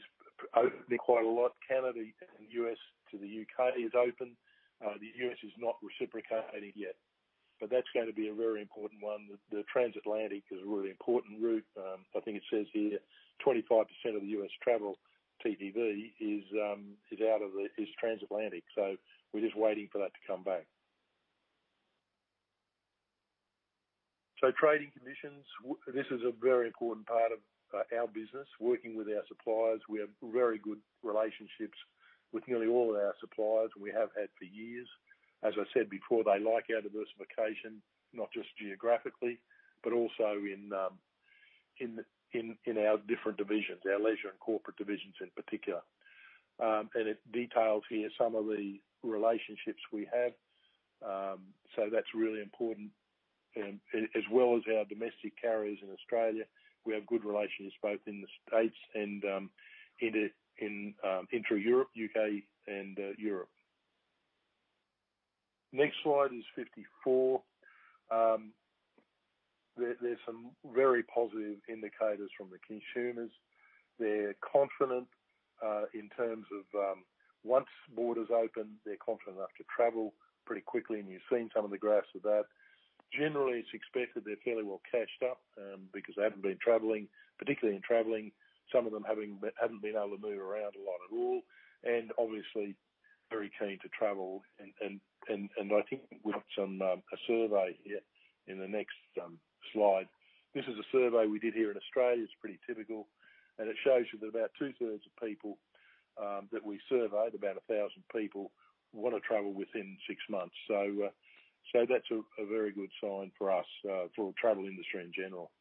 opening quite a lot. Canada and U.S. to the U.K. is open. The U.S. is not reciprocating yet. That's going to be a very important one. The transatlantic is a really important route. I think it says here 25% of the U.S. travel TTV is transatlantic. We're just waiting for that to come back. Trading conditions. This is a very important part of our business, working with our suppliers. We have very good relationships with nearly all of our suppliers. We have had for years. As I said before, they like our diversification, not just geographically, but also in our different divisions, our leisure and corporate divisions in particular. It details here some of the relationships we have. That's really important. As well as our domestic carriers in Australia, we have good relations both in the U.S. and intra-Europe, U.K., and Europe. Next slide is 54. There's some very positive indicators from the consumers. They're confident in terms of once borders open, they're confident enough to travel pretty quickly. You've seen some of the graphs of that. Generally, it's expected they're fairly well cashed up because they haven't been traveling, particularly in traveling. Some of them haven't been able to move around a lot at all, and obviously very keen to travel. I think we've got a survey here in the next slide. This is a survey we did here in Australia. It's pretty typical, and it shows you that about two-thirds of people that we surveyed, about 1,000 people, want to travel within six months. That's a very good sign for us, for the travel industry in general.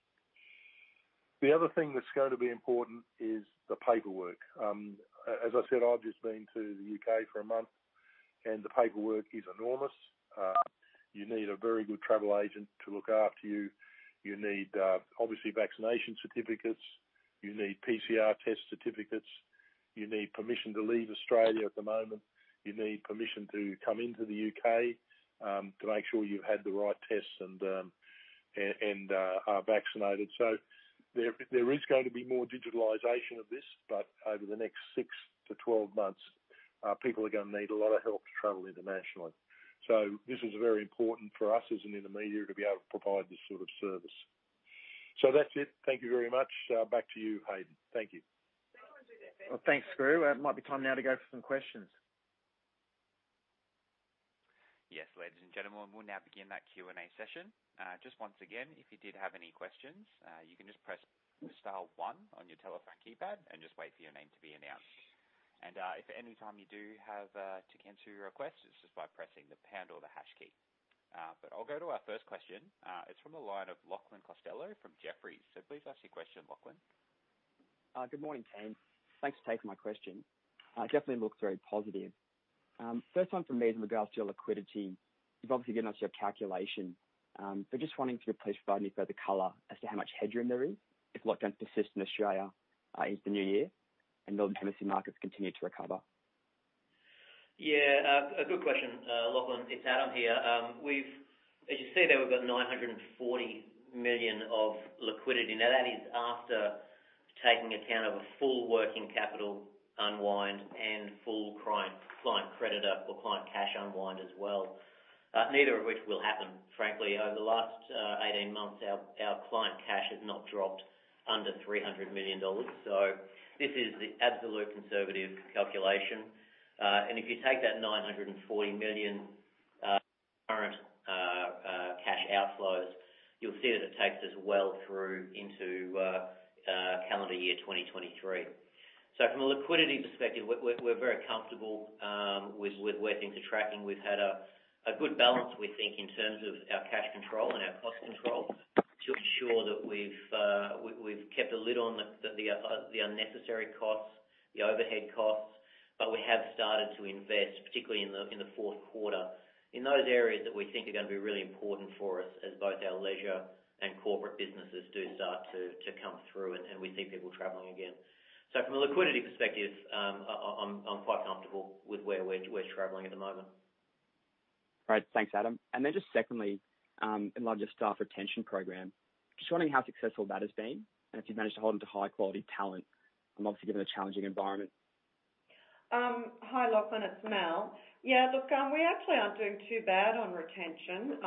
The other thing that's going to be important is the paperwork. As I said, I've just been to the U.K. for 1 month, and the paperwork is enormous. You need a very good travel agent to look after you. You need, obviously, vaccination certificates. You need PCR test certificates. You need permission to leave Australia at the moment. You need permission to come into the U.K. to make sure you've had the right tests and are vaccinated. There is going to be more digitalization of this. Over the next 6 to 12 months, people are going to need a lot of help to travel internationally. This is very important for us as an intermediary to be able to provide this sort of service. That's it. Thank you very much. Back to you, Haydn. Thank you. Well, thanks, Graham Turner. It might be time now to go for some questions. Yes, ladies and gentlemen, we'll now begin that Q&A session. Just once again, if you did have any questions, you can just press star one on your telephone keypad and just wait for your name to be announced. If at any time you do have to cancel your request, it's just by pressing the pound or the hash key. I'll go to our first question. It's from the line of Lachlan Costello from Jefferies. Please ask your question, Lachlan. Good morning, team. Thanks for taking my question. Definitely looks very positive. First one from me is in regards to your liquidity. You've obviously given us your calculation. Just wanting to please provide me further color as to how much headroom there is if lockdowns persist in Australia into the new year and domestic markets continue to recover. A good question, Lachlan. It's Adam here. As you see there, we've got 940 million of liquidity. That is after taking account of a full working capital unwind and full client creditor or client cash unwind as well. Neither of which will happen, frankly. Over the last 18 months, our client cash has not dropped under 300 million dollars. This is the absolute conservative calculation. If you take that 940 million current cash outflows, you'll see that it takes us well through into calendar year 2023. From a liquidity perspective, we're very comfortable with where things are tracking. We've had a good balance, we think, in terms of our cash control and our cost control to ensure that we've kept a lid on the unnecessary costs, the overhead costs. We have started to invest, particularly in the fourth quarter, in those areas that we think are going to be really important for us as both our leisure and corporate businesses do start to come through and we see people traveling again. From a liquidity perspective, I'm quite comfortable with where we're traveling at the moment. Great. Thanks, Adam. Then just secondly, in light of your staff retention program, just wondering how successful that has been and if you've managed to hold on to high-quality talent, obviously given the challenging environment? Hi, Lachlan, it's Mel. Look, we actually aren't doing too bad on retention.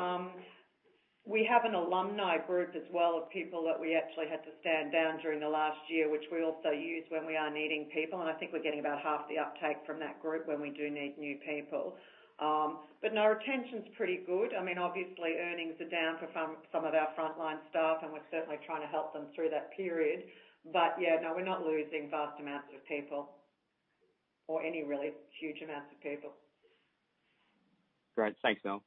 We have an alumni group as well of people that we actually had to stand down during the last year, which we also use when we are needing people. I think we're getting about half the uptake from that group when we do need new people. No, retention is pretty good. I mean, obviously earnings are down for some of our frontline staff. We're certainly trying to help them through that period. Yeah, no, we're not losing vast amounts of people or any really huge amounts of people. Great. Thanks, Mel.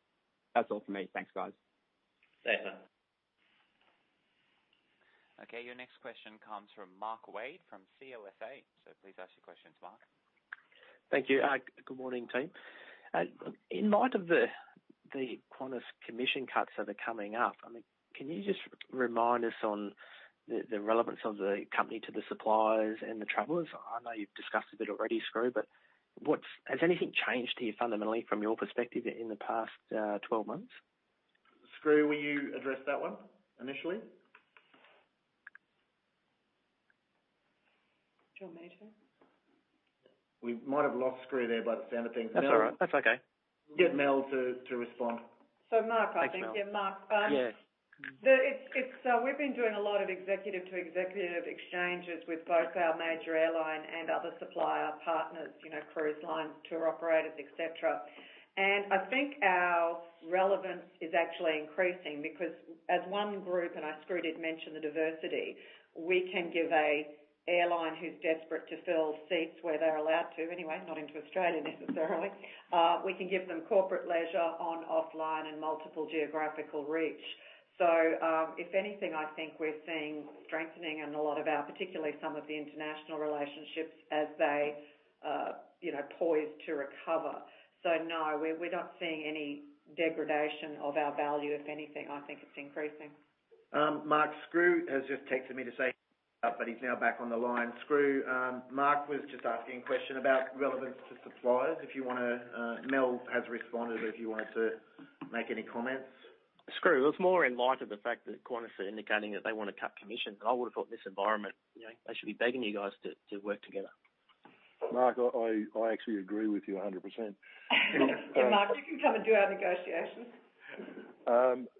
That's all from me. Thanks, guys. See you, Lachlan. Okay. Your next question comes from Marc Wade from CLSA. Please ask your questions, Mark. Thank you. Good morning, team. In light of the Qantas commission cuts that are coming up, can you just remind us on the relevance of the company to the suppliers and the travelers? I know you've discussed a bit already, Skroo, has anything changed here fundamentally from your perspective in the past 12 months? Skroo, will you address that one initially? Do you want me to? We might have lost Skroo there by the sound of things. That's all right. That's okay. Get Mel to respond. Marc, I think. Yeah, Marc. Yes. We've been doing a lot of executive-to-executive exchanges with both our major airline and other supplier partners, cruise lines, tour operators, et cetera. I think our relevance is actually increasing because as one group, and Skroo did mention the diversity, we can give a airline who's desperate to fill seats where they're allowed to anyway, not into Australia necessarily, we can give them corporate leisure on offline and multiple geographical reach. If anything, I think we're seeing strengthening in a lot of our, particularly some of the international relationships as they poise to recover. No, we're not seeing any degradation of our value. If anything, I think it's increasing. Marc, Graham Turner has just texted me to say he hung up, but he's now back on the line. Graham Turner, Marc was just asking a question about relevance to suppliers. Melanie Waters-Ryan has responded, but if you wanted to make any comments. Skroo. It was more in light of the fact that Qantas are indicating that they want to cut commission. I would've thought in this environment, they should be begging you guys to work together. Marc, I actually agree with you 100%. Yeah, Marc, you can come and do our negotiations.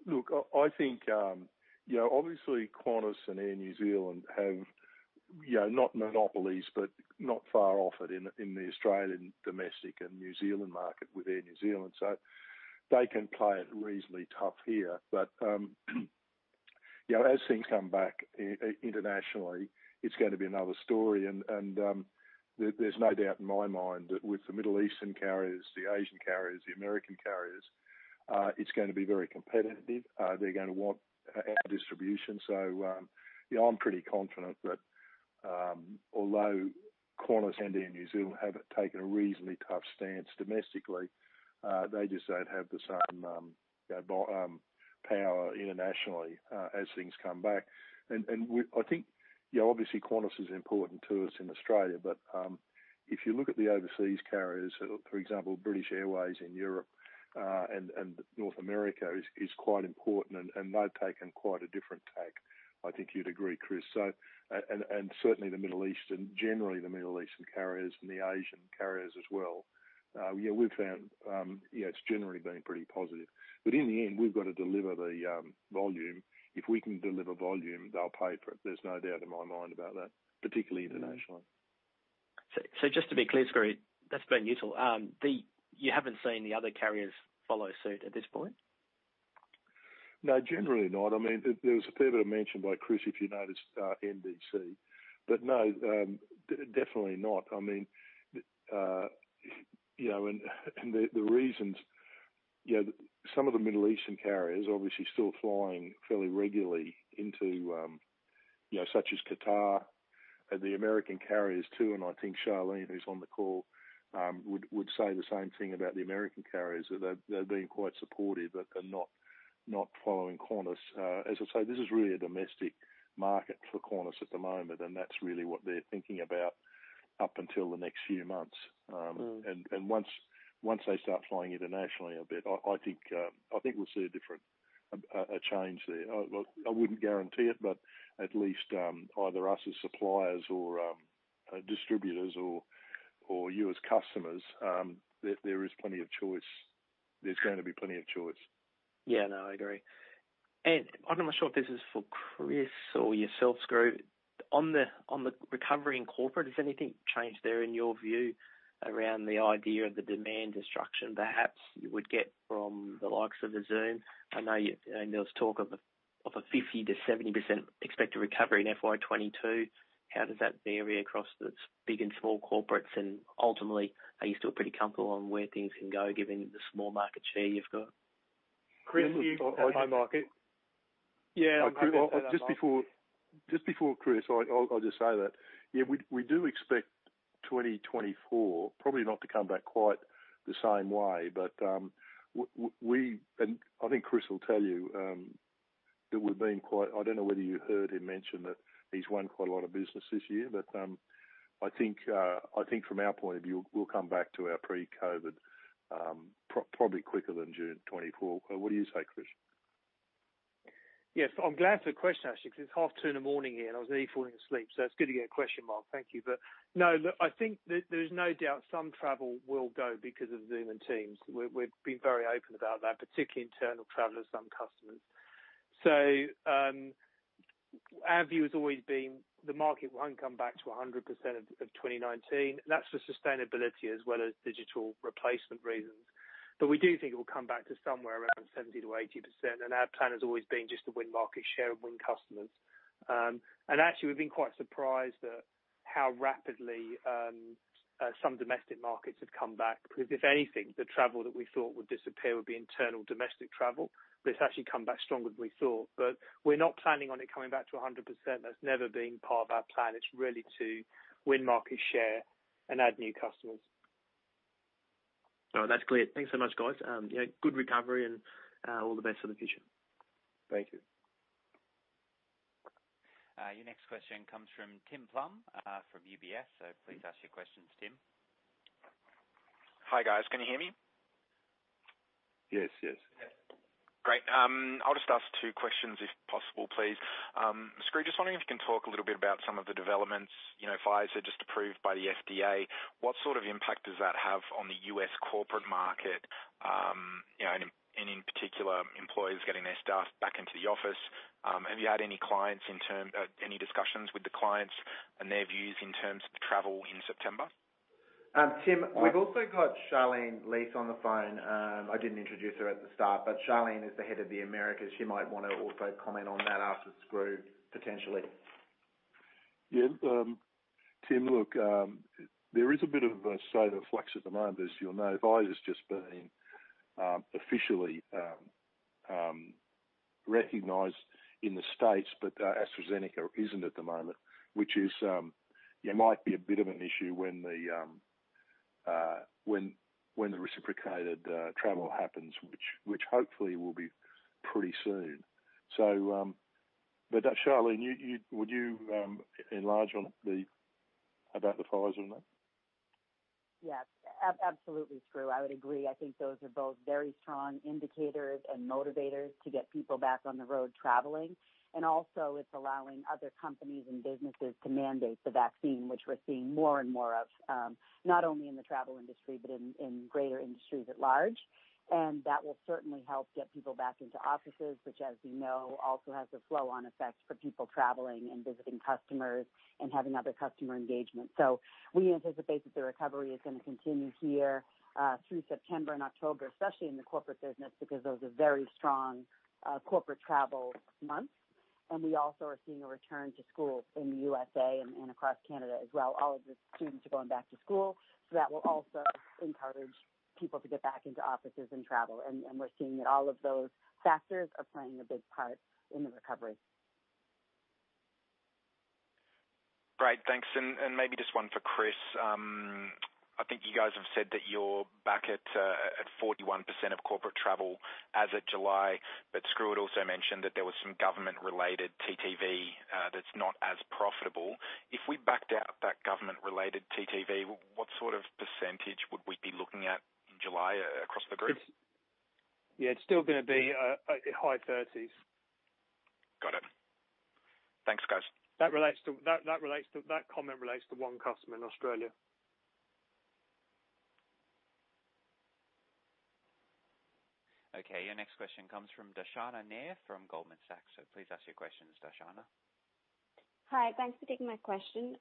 Look, I think, obviously Qantas and Air New Zealand have, not monopolies, but not far off it in the Australian domestic and New Zealand market with Air New Zealand. They can play it reasonably tough here. As things come back internationally, it's going to be another story. There's no doubt in my mind that with the Middle Eastern carriers, the Asian carriers, the American carriers, it's going to be very competitive. They're going to want our distribution. I'm pretty confident that, although Qantas and Air New Zealand have taken a reasonably tough stance domestically, they just don't have the same power internationally as things come back. I think obviously Qantas is important to us in Australia, but, if you look at the overseas carriers, for example, British Airways in Europe, and North America is quite important, and they've taken quite a different tack. I think you'd agree, Chris. Certainly the Middle East, and generally the Middle Eastern carriers and the Asian carriers as well, we've found it's generally been pretty positive. In the end, we've got to deliver the volume. If we can deliver volume, they'll pay for it. There's no doubt in my mind about that, particularly internationally. Just to be clear, Skroo, that's been useful. You haven't seen the other carriers follow suit at this point? No, generally not. There was a fair bit of mention by Chris, if you noticed, NDC. No, definitely not. The reasons, some of the Middle Eastern carriers obviously still flying fairly regularly into, such as Qatar, the American carriers too, and I think Charlene, who's on the call, would say the same thing about the American carriers. That they're being quite supportive, that they're not following Qantas. As I say, this is really a domestic market for Qantas at the moment, and that's really what they're thinking about up until the next few months. Once they start flying internationally a bit, I think we'll see a change there. Look, I wouldn't guarantee it, but at least, either us as suppliers or distributors or you as customers, there's going to be plenty of choice. Yeah. No, I agree. I'm not sure if this is for Chris or yourself, Skroo. On the recovery in corporate, has anything changed there in your view around the idea of the demand destruction perhaps you would get from the likes of Zoom? I know there was talk of a 50%-70% expected recovery in FY 2022. How does that vary across the big and small corporates? Ultimately, are you still pretty comfortable on where things can go given the small market share you've got? Chris, you for that home market. Yeah. Just before Chris, I'll just say that, yeah, we do expect 2024 probably not to come back quite the same way. I think Chris will tell you, I don't know whether you heard him mention that he's won quite a lot of business this year. I think from our point of view, we'll come back to our pre-COVID probably quicker than June 2024. What do you say, Chris? Yes. I'm glad for the question, actually, because it's 2:30 A.M. here, and I was nearly falling asleep. It's good to get a question, Marc. Thank you. No. Look, I think that there is no doubt some travel will go because of Zoom and Microsoft Teams. We've been very open about that, particularly internal travelers, some customers. Our view has always been the market won't come back to 100% of 2019. That's for sustainability as well as digital replacement reasons. We do think it will come back to somewhere around 70%-80%. Our plan has always been just to win market share and win customers. Actually, we've been quite surprised at how rapidly some domestic markets have come back. Because if anything, the travel that we thought would disappear would be internal domestic travel. It's actually come back stronger than we thought. We're not planning on it coming back to 100%. That's never been part of our plan. It's really to win market share and add new customers. No, that's clear. Thanks so much, guys. Good recovery and all the best for the future. Thank you. Your next question comes from Tim Plumbe, from UBS. Please ask your questions, Tim. Hi, guys. Can you hear me? Yes. Great. I'll just ask two questions if possible, please. Skroo, just wondering if you can talk a little bit about some of the developments. Pfizer just approved by the FDA. What sort of impact does that have on the U.S. corporate market, and in particular, employees getting their staff back into the office? Have you had any discussions with the clients and their views in terms of travel in September? Tim, we've also got Charlene Leiss on the phone. I didn't introduce her at the start. Charlene is the head of the Americas. She might want to also comment on that after Graham Turner, potentially. Yeah. Tim, look, there is a bit of a state of flux at the moment, as you'll know. Pfizer's just been officially recognized in the U.S., but AstraZeneca isn't at the moment, which might be a bit of an issue when the reciprocated travel happens, which hopefully will be pretty soon. Charlene, would you enlarge about the Pfizer note? Yes, absolutely, Skroo. I would agree. I think those are both very strong indicators and motivators to get people back on the road traveling. Also it's allowing other companies and businesses to mandate the vaccine, which we're seeing more and more of, not only in the travel industry, but in greater industries at large. That will certainly help get people back into offices, which, as we know, also has a flow-on effect for people traveling and visiting customers and having other customer engagement. We anticipate that the recovery is going to continue here through September and October, especially in the corporate business, because those are very strong corporate travel months. We also are seeing a return to school in the U.S.A. and across Canada as well. All of the students are going back to school, that will also encourage people to get back into offices and travel. We're seeing that all of those factors are playing a big part in the recovery. Great. Thanks. Maybe just one for Chris. I think you guys have said that you're back at 41% of corporate travel as of July, but Graham Turner had also mentioned that there was some government-related TTV that's not as profitable. If we backed out that government-related TTV, what sort of percentage would we be looking at in July across the group? Yeah, it's still going to be high 30s. Got it. Thanks, guys. That comment relates to one customer in Australia. Okay. Your next question comes from Darshana Nair from Goldman Sachs. Please ask your questions, Darshana. Hi. Thanks for taking my question.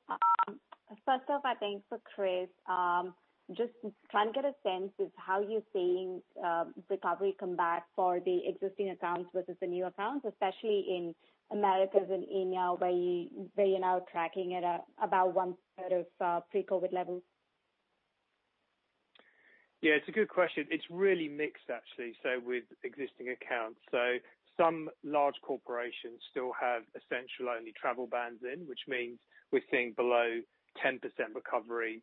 First off, I think for Chris, just trying to get a sense of how you're seeing recovery come back for the existing accounts versus the new accounts, especially in Americas and EMEA, where you're now tracking at about one third of pre-COVID levels. Yeah, it's a good question. It's really mixed actually with existing accounts. Some large corporations still have essential only travel bans in, which means we're seeing below 10% recovery,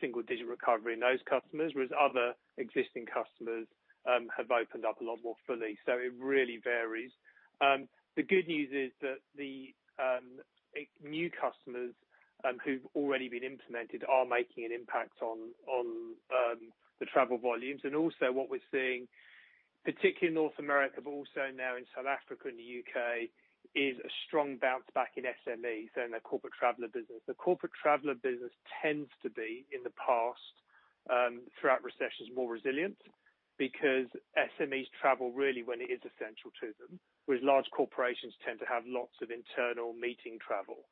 single-digit recovery in those customers, whereas other existing customers have opened up a lot more fully. It really varies. The good news is that the new customers who've already been implemented are making an impact on the travel volumes. What we're seeing, particularly in North America, but also now in South Africa and the U.K., is a strong bounce back in SMEs and the Corporate Traveller business. The Corporate Traveller business tends to be, in the past, throughout recessions, more resilient because SMEs travel really when it is essential to them, whereas large corporations tend to have lots of internal meeting travel.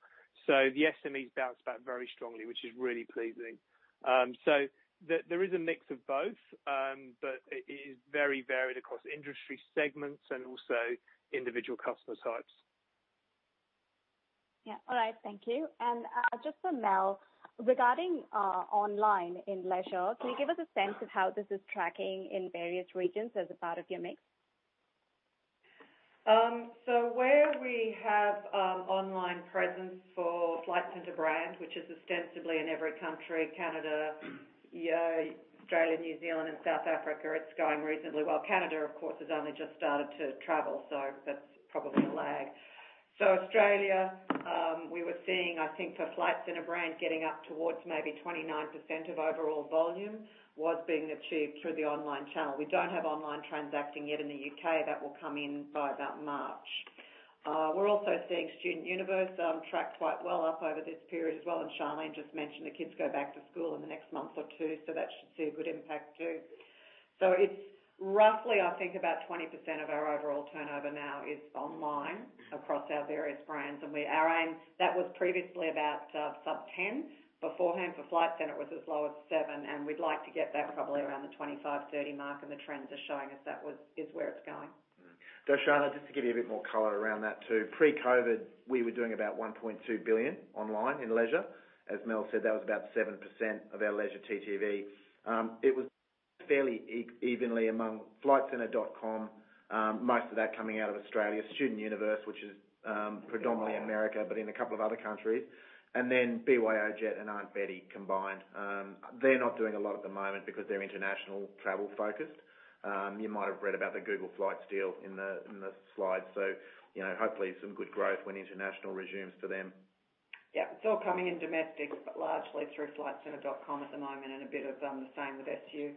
The SMEs bounce back very strongly, which is really pleasing. There is a mix of both, but it is very varied across industry segments and also individual customer types. Yeah. All right. Thank you. Just for Mel, regarding online in leisure, can you give us a sense of how this is tracking in various regions as a part of your mix? Where we have online presence for Flight Centre brand, which is ostensibly in every country, Canada, Australia, New Zealand and South Africa, it's going reasonably well. Canada, of course, has only just started to travel, that's probably a lag. Australia, we were seeing, I think for Flight Centre brand, getting up towards maybe 29% of overall volume was being achieved through the online channel. We don't have online transacting yet in the U.K. That will come in by about March. We're also seeing StudentUniverse track quite well up over this period as well, and Charlene just mentioned the kids go back to school in the next month or two, so that should see a good impact too. It's roughly, I think about 20% of our overall turnover now is online across our various brands. That was previously about sub 10. Beforehand for Flight Centre, it was as low as 7, and we'd like to get that probably around the 25, 30 mark, and the trends are showing us that is where it's going. Darshana, just to give you a bit more color around that too. Pre-COVID, we were doing about 1.2 billion online in leisure. As Mel said, that was about 7% of our leisure TTV. It was fairly evenly among flightcentre.com, most of that coming out of Australia. StudentUniverse, which is predominantly America, but in a couple of other countries. BYOjet and Aunt Betty combined. They're not doing a lot at the moment because they're international travel-focused. You might have read about the Google Flights deal in the slides. Hopefully some good growth when international resumes for them. It's all coming in domestic, but largely through flightcentre.com at the moment and a bit of the same with SU.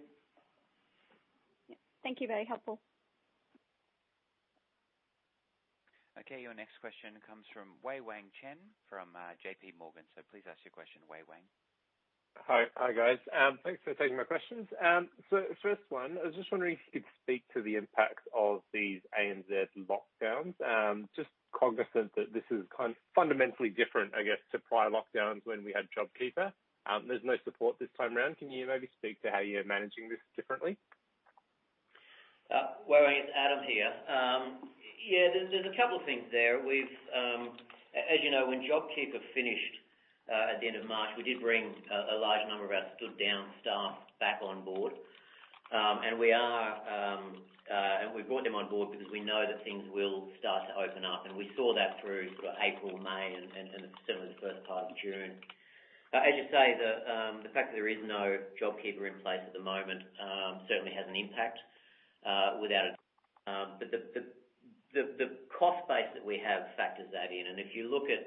Thank you. Very helpful. Okay, your next question comes from Wei-Weng Chen, J.P. Morgan. Please ask your question, Wei-Weng. Hi. Hi, guys. Thanks for taking my questions. First one, I was just wondering if you could speak to the impact of these ANZ lockdowns. Just cognizant that this is fundamentally different, I guess, to prior lockdowns when we had JobKeeper. There's no support this time around. Can you maybe speak to how you're managing this differently? Wei-Weng, it's Adam here. Yeah, there's a couple of things there. As you know, when JobKeeper finished at the end of March, we did bring a large number of our stood-down staff back on board. We brought them on board because we know that things will start to open up, and we saw that through April, May, and certainly the first part of June. As you say, the fact that there is no JobKeeper in place at the moment certainly has an impact. The cost base that we have factors that in. If you look at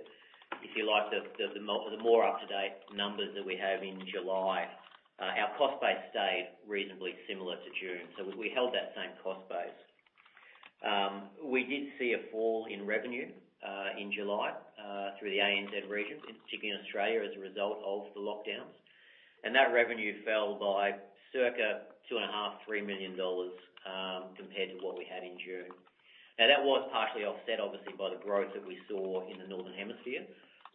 the more up-to-date numbers that we have in July, our cost base stayed reasonably similar to June. We held that same cost base. We did see a fall in revenue in July through the ANZ regions, in particular Australia, as a result of the lockdowns. That revenue fell by circa 2.5 million, 3 million dollars compared to what we had in June. That was partially offset, obviously, by the growth that we saw in the Northern Hemisphere,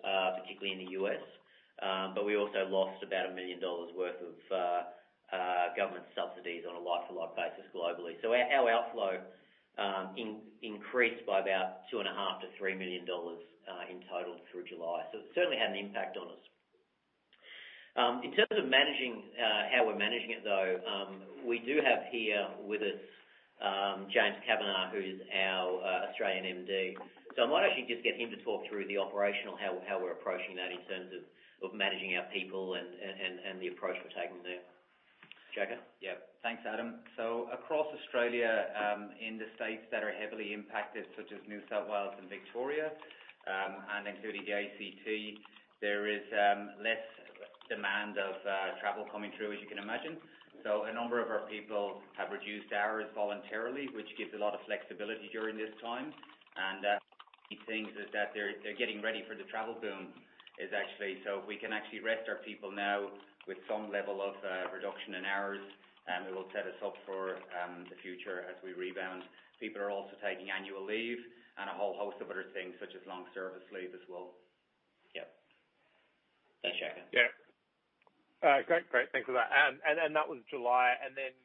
particularly in the U.S. We also lost about 1 million dollars worth of government subsidies on a like-for-like basis globally. Our outflow increased by about 2.5 million-3 million dollars in total through July. It certainly had an impact on us. In terms of how we're managing it, though, we do have here with us James Kavanagh, who is our Australian MD. I might actually just get him to talk through the operational, how we're approaching that in terms of managing our people and the approach we're taking there. James? Thanks, Adam. Across Australia, in the states that are heavily impacted, such as New South Wales and Victoria, and including the ACT, there is less demand of travel coming through, as you can imagine. A number of our people have reduced hours voluntarily, which gives a lot of flexibility during this time. The key thing is that they're getting ready for the travel boom. We can actually rest our people now with some level of reduction in hours, and it will set us up for the future as we rebound. People are also taking annual leave and a whole host of other things, such as long service leave as well. Yep. Thanks, James. Yeah. Great. Thanks for that. That was July.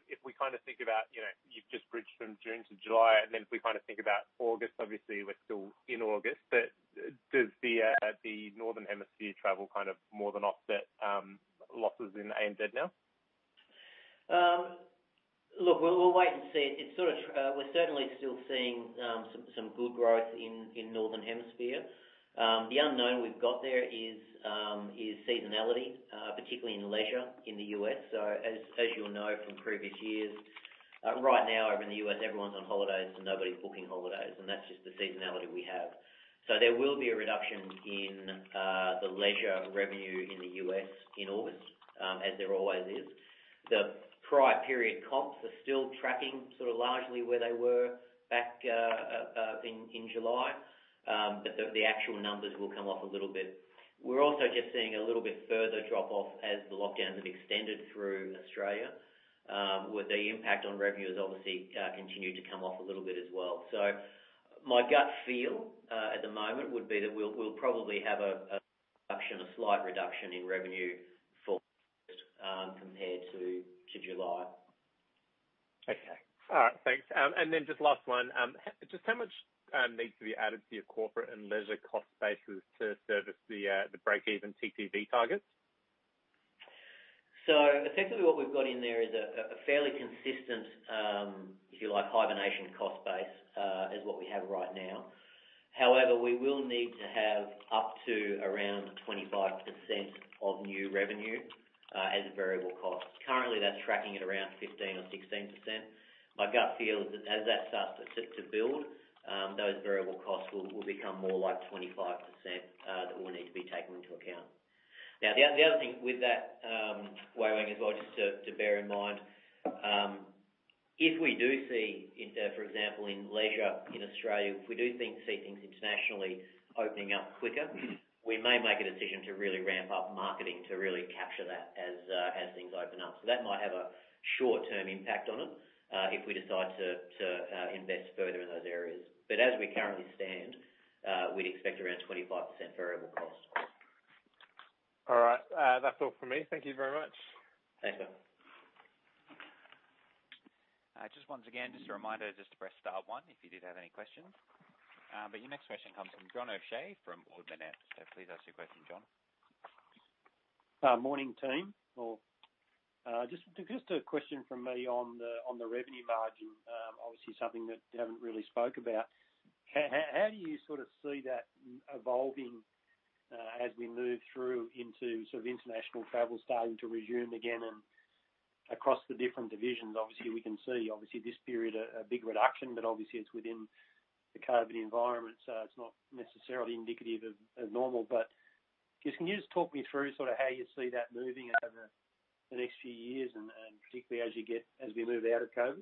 If we think about, you've just bridged from June to July, if we think about August, obviously we're still in August, does the Northern Hemisphere travel more than offset losses in ANZ now? Look, we'll wait and see. We're certainly still seeing some good growth in Northern Hemisphere. The unknown we've got there is seasonality, particularly in leisure in the U.S. As you'll know from previous years, right now over in the U.S., everyone's on holidays and nobody's booking holidays, and that's just the seasonality we have. There will be a reduction in the leisure revenue in the U.S. in August, as there always is. The prior period comps are still tracking largely where they were back in July. The actual numbers will come off a little bit. We're also just seeing a little bit further drop-off as the lockdowns have extended through Australia, where the impact on revenue has obviously continued to come off a little bit as well. My gut feel at the moment would be that we'll probably have a reduction, a slight reduction in revenue for August compared to July. Okay. All right. Thanks. Then just last one. Just how much needs to be added to your corporate and leisure cost bases to service the breakeven TTV targets? Effectively what we've got in there is a fairly consistent hibernation cost base, is what we have right now. However, we will need to have up to around 25% of new revenue as a variable cost. Currently, that's tracking at around 15% or 16%. My gut feel is that as that starts to build, those variable costs will become more like 25% that will need to be taken into account. The other thing with that, Wei-Weng Chen, as well, just to bear in mind, if we do see, for example, in leisure in Australia, if we do see things internationally opening up quicker, we may make a decision to really ramp up marketing to really capture that as things open up. That might have a short-term impact on it, if we decide to invest further in those areas. As we currently stand, we'd expect around 25% variable cost. All right. That's all from me. Thank you very much. Thanks, Wei-Weng Chen. Just once again, just a reminder just to press star one if you did have any questions. Your next question comes from John O'Shea from Ord Minnett. Please ask your question, John. Morning, team. Just a question from me on the revenue margin. Obviously something that you haven't really spoke about. How do you see that evolving as we move through into international travel starting to resume again? Across the different divisions, obviously, we can see this period a big reduction, but obviously it's within the COVID environment, so it's not necessarily indicative of normal. Can you just talk me through how you see that moving over the next few years, and particularly as we move out of COVID?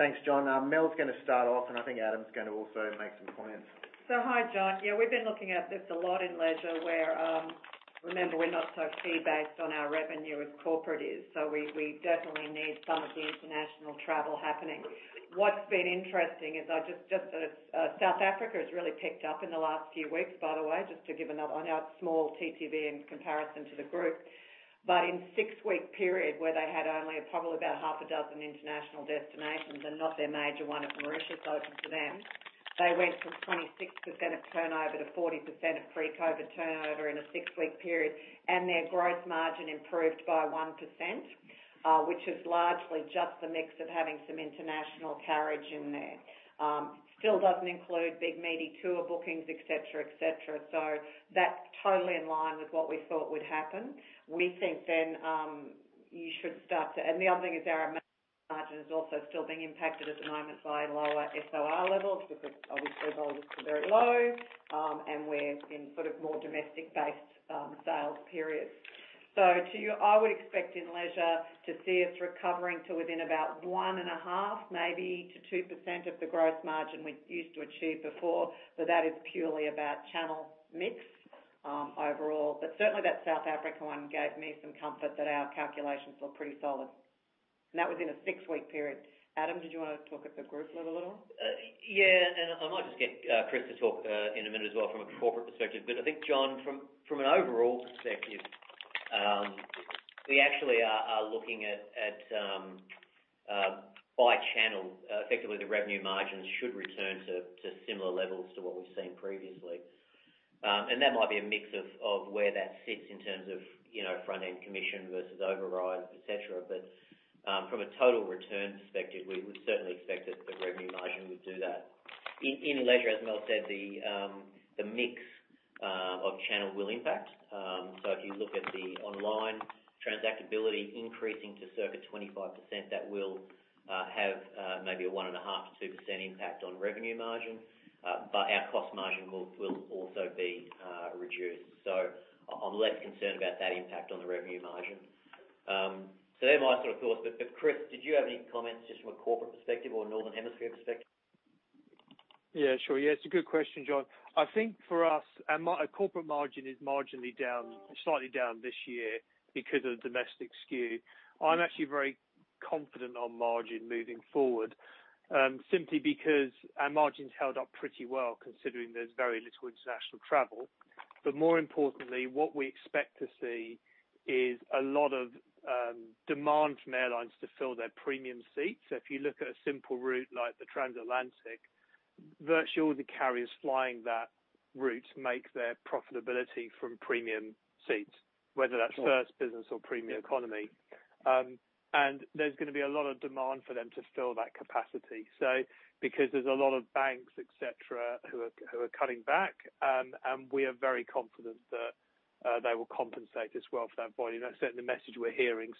Thanks, John. Mel's going to start off, and I think Adam's going to also make some comments. Hi, John. Yeah, we've been looking at this a lot in leisure where, remember, we're not so fee based on our revenue as corporate is. We definitely need some of the international travel happening. What's been interesting is, South Africa has really picked up in the last few weeks, by the way, just to give a note. I know it's small TTV in comparison to the group. In a six-week period where they had only probably about half a dozen international destinations, and not their major one of Mauritius open to them, they went from 26% of turnover to 40% of pre-COVID turnover in a six-week period, and their growth margin improved by 1%, which is largely just the mix of having some international carriage in there. Still doesn't include big meaty tour bookings, et cetera. That's totally in line with what we thought would happen. The other thing is our margin is also still being impacted at the moment by lower SOR levels, because obviously volumes are very low, and we are in more domestic-based sales periods. I would expect in leisure to see us recovering to within about 1.5%, maybe to 2% of the gross margin we used to achieve before. That is purely about channel mix overall. Certainly that South Africa one gave me some comfort that our calculations look pretty solid. That was in a six-week period. Adam, did you want to talk at the group level at all? I might just get Chris to talk in a minute as well from a corporate perspective. I think, John, from an overall perspective, we actually are looking at by channel, effectively, the revenue margins should return to similar levels to what we've seen previously. That might be a mix of where that sits in terms of front-end commission versus override, et cetera. From a total return perspective, we would certainly expect that the revenue margin would do that. In leisure, as Mel said, the mix of channel will impact. If you look at the online transactability increasing to circa 25%, that will have maybe a 1.5%-2% impact on revenue margin. Our cost margin will also be reduced. I'm less concerned about that impact on the revenue margin. They're my thoughts but, Chris, did you have any comments just from a corporate perspective or northern hemisphere perspective? Sure. It's a good question, John. I think for us, our corporate margin is marginally down, slightly down this year because of the domestic skew. I'm actually very confident on margin moving forward, simply because our margins held up pretty well considering there's very little international travel. More importantly, what we expect to see is a lot of demand from airlines to fill their premium seats. If you look at a simple route like the Transatlantic, virtually all the carriers flying that route make their profitability from premium seats, whether that's first business or premium economy. There's going to be a lot of demand for them to fill that capacity. Because there's a lot of banks, et cetera, who are cutting back, we are very confident that they will compensate as well for that volume. That's certainly the message we're hearing.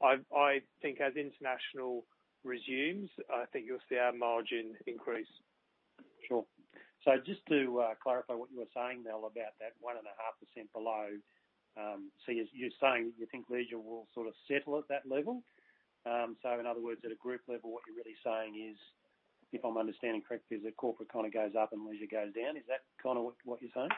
I think as international resumes, I think you'll see our margin increase. Sure. Just to clarify what you were saying, Mel, about that 1.5% below. You're saying you think leisure will sort of settle at that level? In other words, at a group level, what you're really saying is, if I'm understanding correctly, is that corporate kind of goes up and leisure goes down. Is that kind of what you're saying?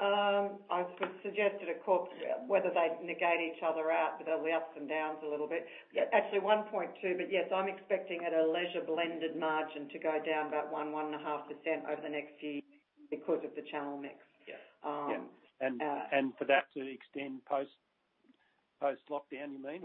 I suggested at Corporate, whether they negate each other out, but there'll be ups and downs a little bit. Actually 1.2, but yes, I'm expecting at a leisure blended margin to go down about 1%, 1.5% over the next year because of the channel mix. Yeah. Yeah. For that to extend post-lockdown, you mean?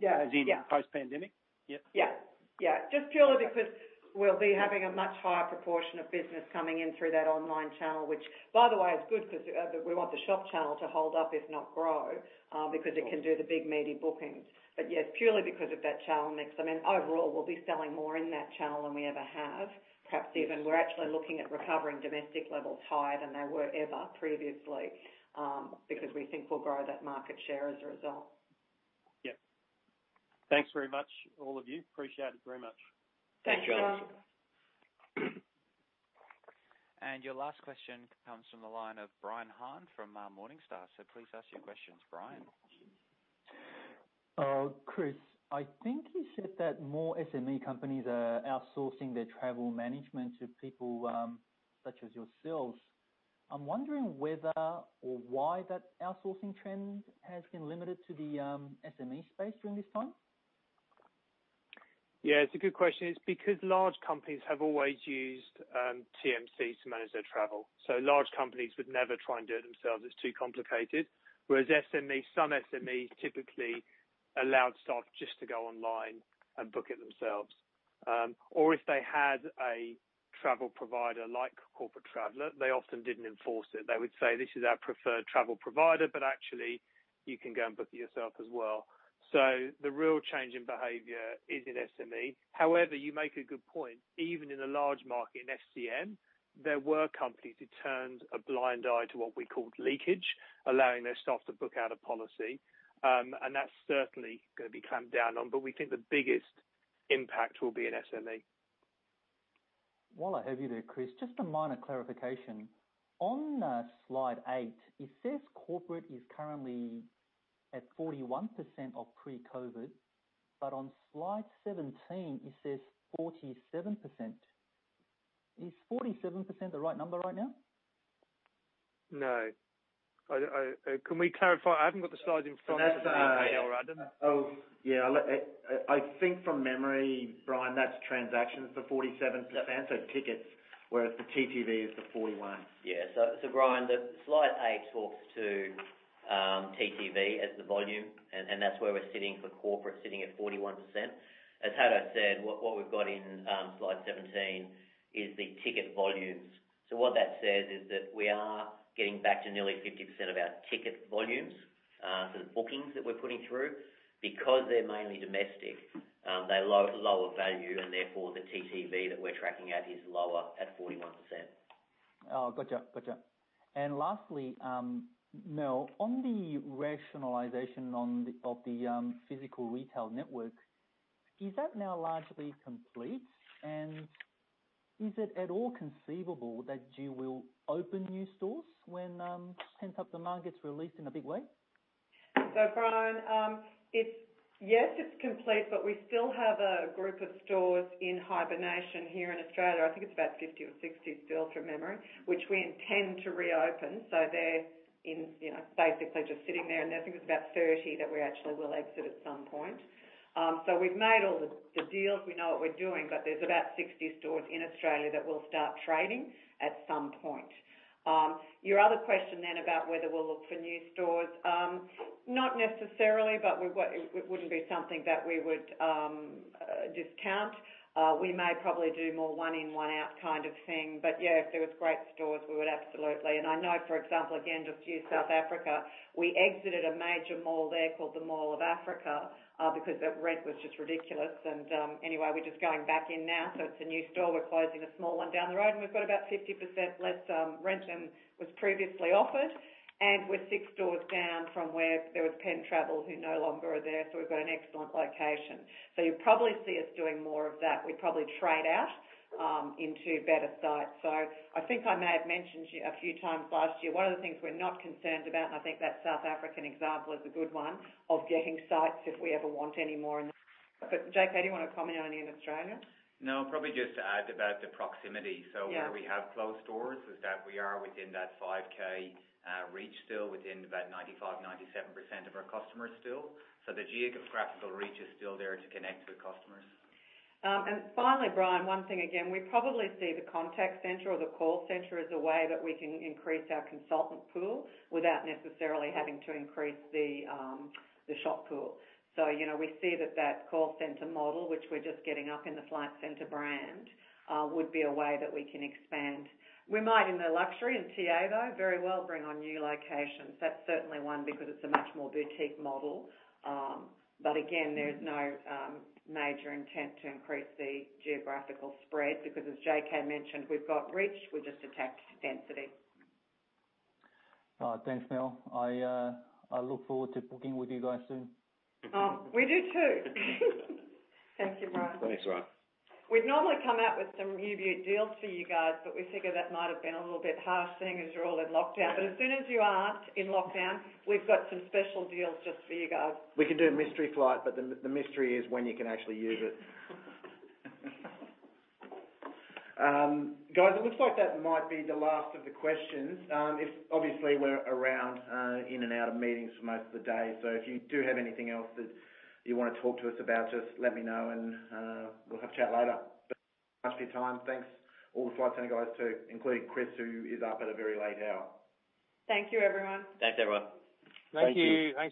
Yeah. As in post-pandemic? Yeah. Yeah. Just purely because we'll be having a much higher proportion of business coming in through that online channel, which, by the way, is good because we want the shop channel to hold up if not grow, because it can do the big meaty bookings. Yes, purely because of that channel mix. Overall, we'll be selling more in that channel than we ever have. Perhaps even we're actually looking at recovering domestic levels higher than they were ever previously, because we think we'll grow that market share as a result. Yeah. Thanks very much, all of you. Appreciate it very much. Thanks, John. Thanks, John. Your last question comes from the line of Brian Han from Morningstar. Please ask your questions, Brian. Chris, I think you said that more SME companies are outsourcing their travel management to people such as yourselves. I'm wondering whether or why that outsourcing trend has been limited to the SME space during this time? Yeah, it's a good question. It's because large companies have always used TMCs to manage their travel. Large companies would never try and do it themselves. It's too complicated. Whereas SMEs, some SMEs typically allowed staff just to go online and book it themselves. If they had a travel provider like Corporate Traveller, they often didn't enforce it. They would say, "This is our preferred travel provider," but actually you can go and book it yourself as well. The real change in behavior is in SME. However, you make a good point. Even in a large market, in FCM, there were companies who turned a blind eye to what we called leakage, allowing their staff to book out of policy. That's certainly going to be clamped down on. We think the biggest impact will be in SME. While I have you there, Chris, just a minor clarification. On slide eight, it says corporate is currently at 41% of pre-COVID, but on slide 17 it says 47%. Is 47% the right number right now? No. Can we clarify? I haven't got the slide in front of me. That's, Adam? Yeah. I think from memory, Brian, that's transactions for 47%. Yep. Tickets, whereas the TTV is the 41. Yeah. Brian, the slide A talks to TTV as the volume, and that's where we're sitting for corporate, sitting at 41%. As Haydn said, what we've got in slide 17 is the ticket volumes. What that says is that we are getting back to nearly 50% of our ticket volumes. The bookings that we're putting through, because they're mainly domestic, they're lower value and therefore the TTV that we're tracking at is lower at 41%. Oh, got you. Lastly, Mel, on the rationalization of the physical retail network, is that now largely complete? Is it at all conceivable that you will open new stores when pent-up demand gets released in a big way? Brian, yes, it's complete, but we still have a group of stores in hibernation here in Australia. I think it's about 50 or 60 still, from memory, which we intend to reopen. They're basically just sitting there. I think it's about 30 that we actually will exit at some point. We've made all the deals. We know what we're doing. There's about 60 stores in Australia that will start trading at some point. Your other question about whether we'll look for new stores. Not necessarily, but it wouldn't be something that we would discount. We may probably do more one in, one out kind of thing. If there was great stores, we would absolutely. I know, for example, again, just use South Africa. We exited a major mall there called the Mall of Africa, because the rent was just ridiculous. Anyway, we're just going back in now. It's a new store. We're closing a small one down the road, and we've got about 50% less rent than was previously offered. We're six stores down from where there was Pentravel who no longer are there. We've got an excellent location. You'll probably see us doing more of that. We probably trade out into better sites. I think I may have mentioned to you a few times last year, one of the things we're not concerned about, and I think that South African example is a good one, of getting sites if we ever want any more in the future. JK, do you want to comment on in Australia? No, probably just to add about the proximity. Yeah. Where we have closed stores, is that we are within that 5 km reach still, within about 95%, 97% of our customers still. The geographical reach is still there to connect with customers. Finally, Brian, one thing again, we probably see the contact center or the call center as a way that we can increase our consultant pool without necessarily having to increase the shop pool. We see that that call center model, which we're just getting up in the Flight Centre brand, would be a way that we can expand. We might in the luxury and TA, though, very well bring on new locations. That's certainly one because it's a much more boutique model. Again, there's no major intent to increase the geographical spread because as JK mentioned, we've got reach, we just attach density. Thanks, Mel. I look forward to booking with you guys soon. Oh, we do too. Thank you, Brian. Thanks, Brian. We'd normally come out with some review deals for you guys, but we figure that might have been a little bit harsh seeing as you're all in lockdown. As soon as you aren't in lockdown, we've got some special deals just for you guys. We can do a mystery flight, but the mystery is when you can actually use it. Guys, it looks like that might be the last of the questions. Obviously, we're around, in and out of meetings for most of the day. If you do have anything else that you want to talk to us about, just let me know and we'll have a chat later. Thanks much for your time. Thanks all the Flight Centre guys too, including Chris, who is up at a very late hour. Thank you, everyone. Thanks, everyone. Thank you.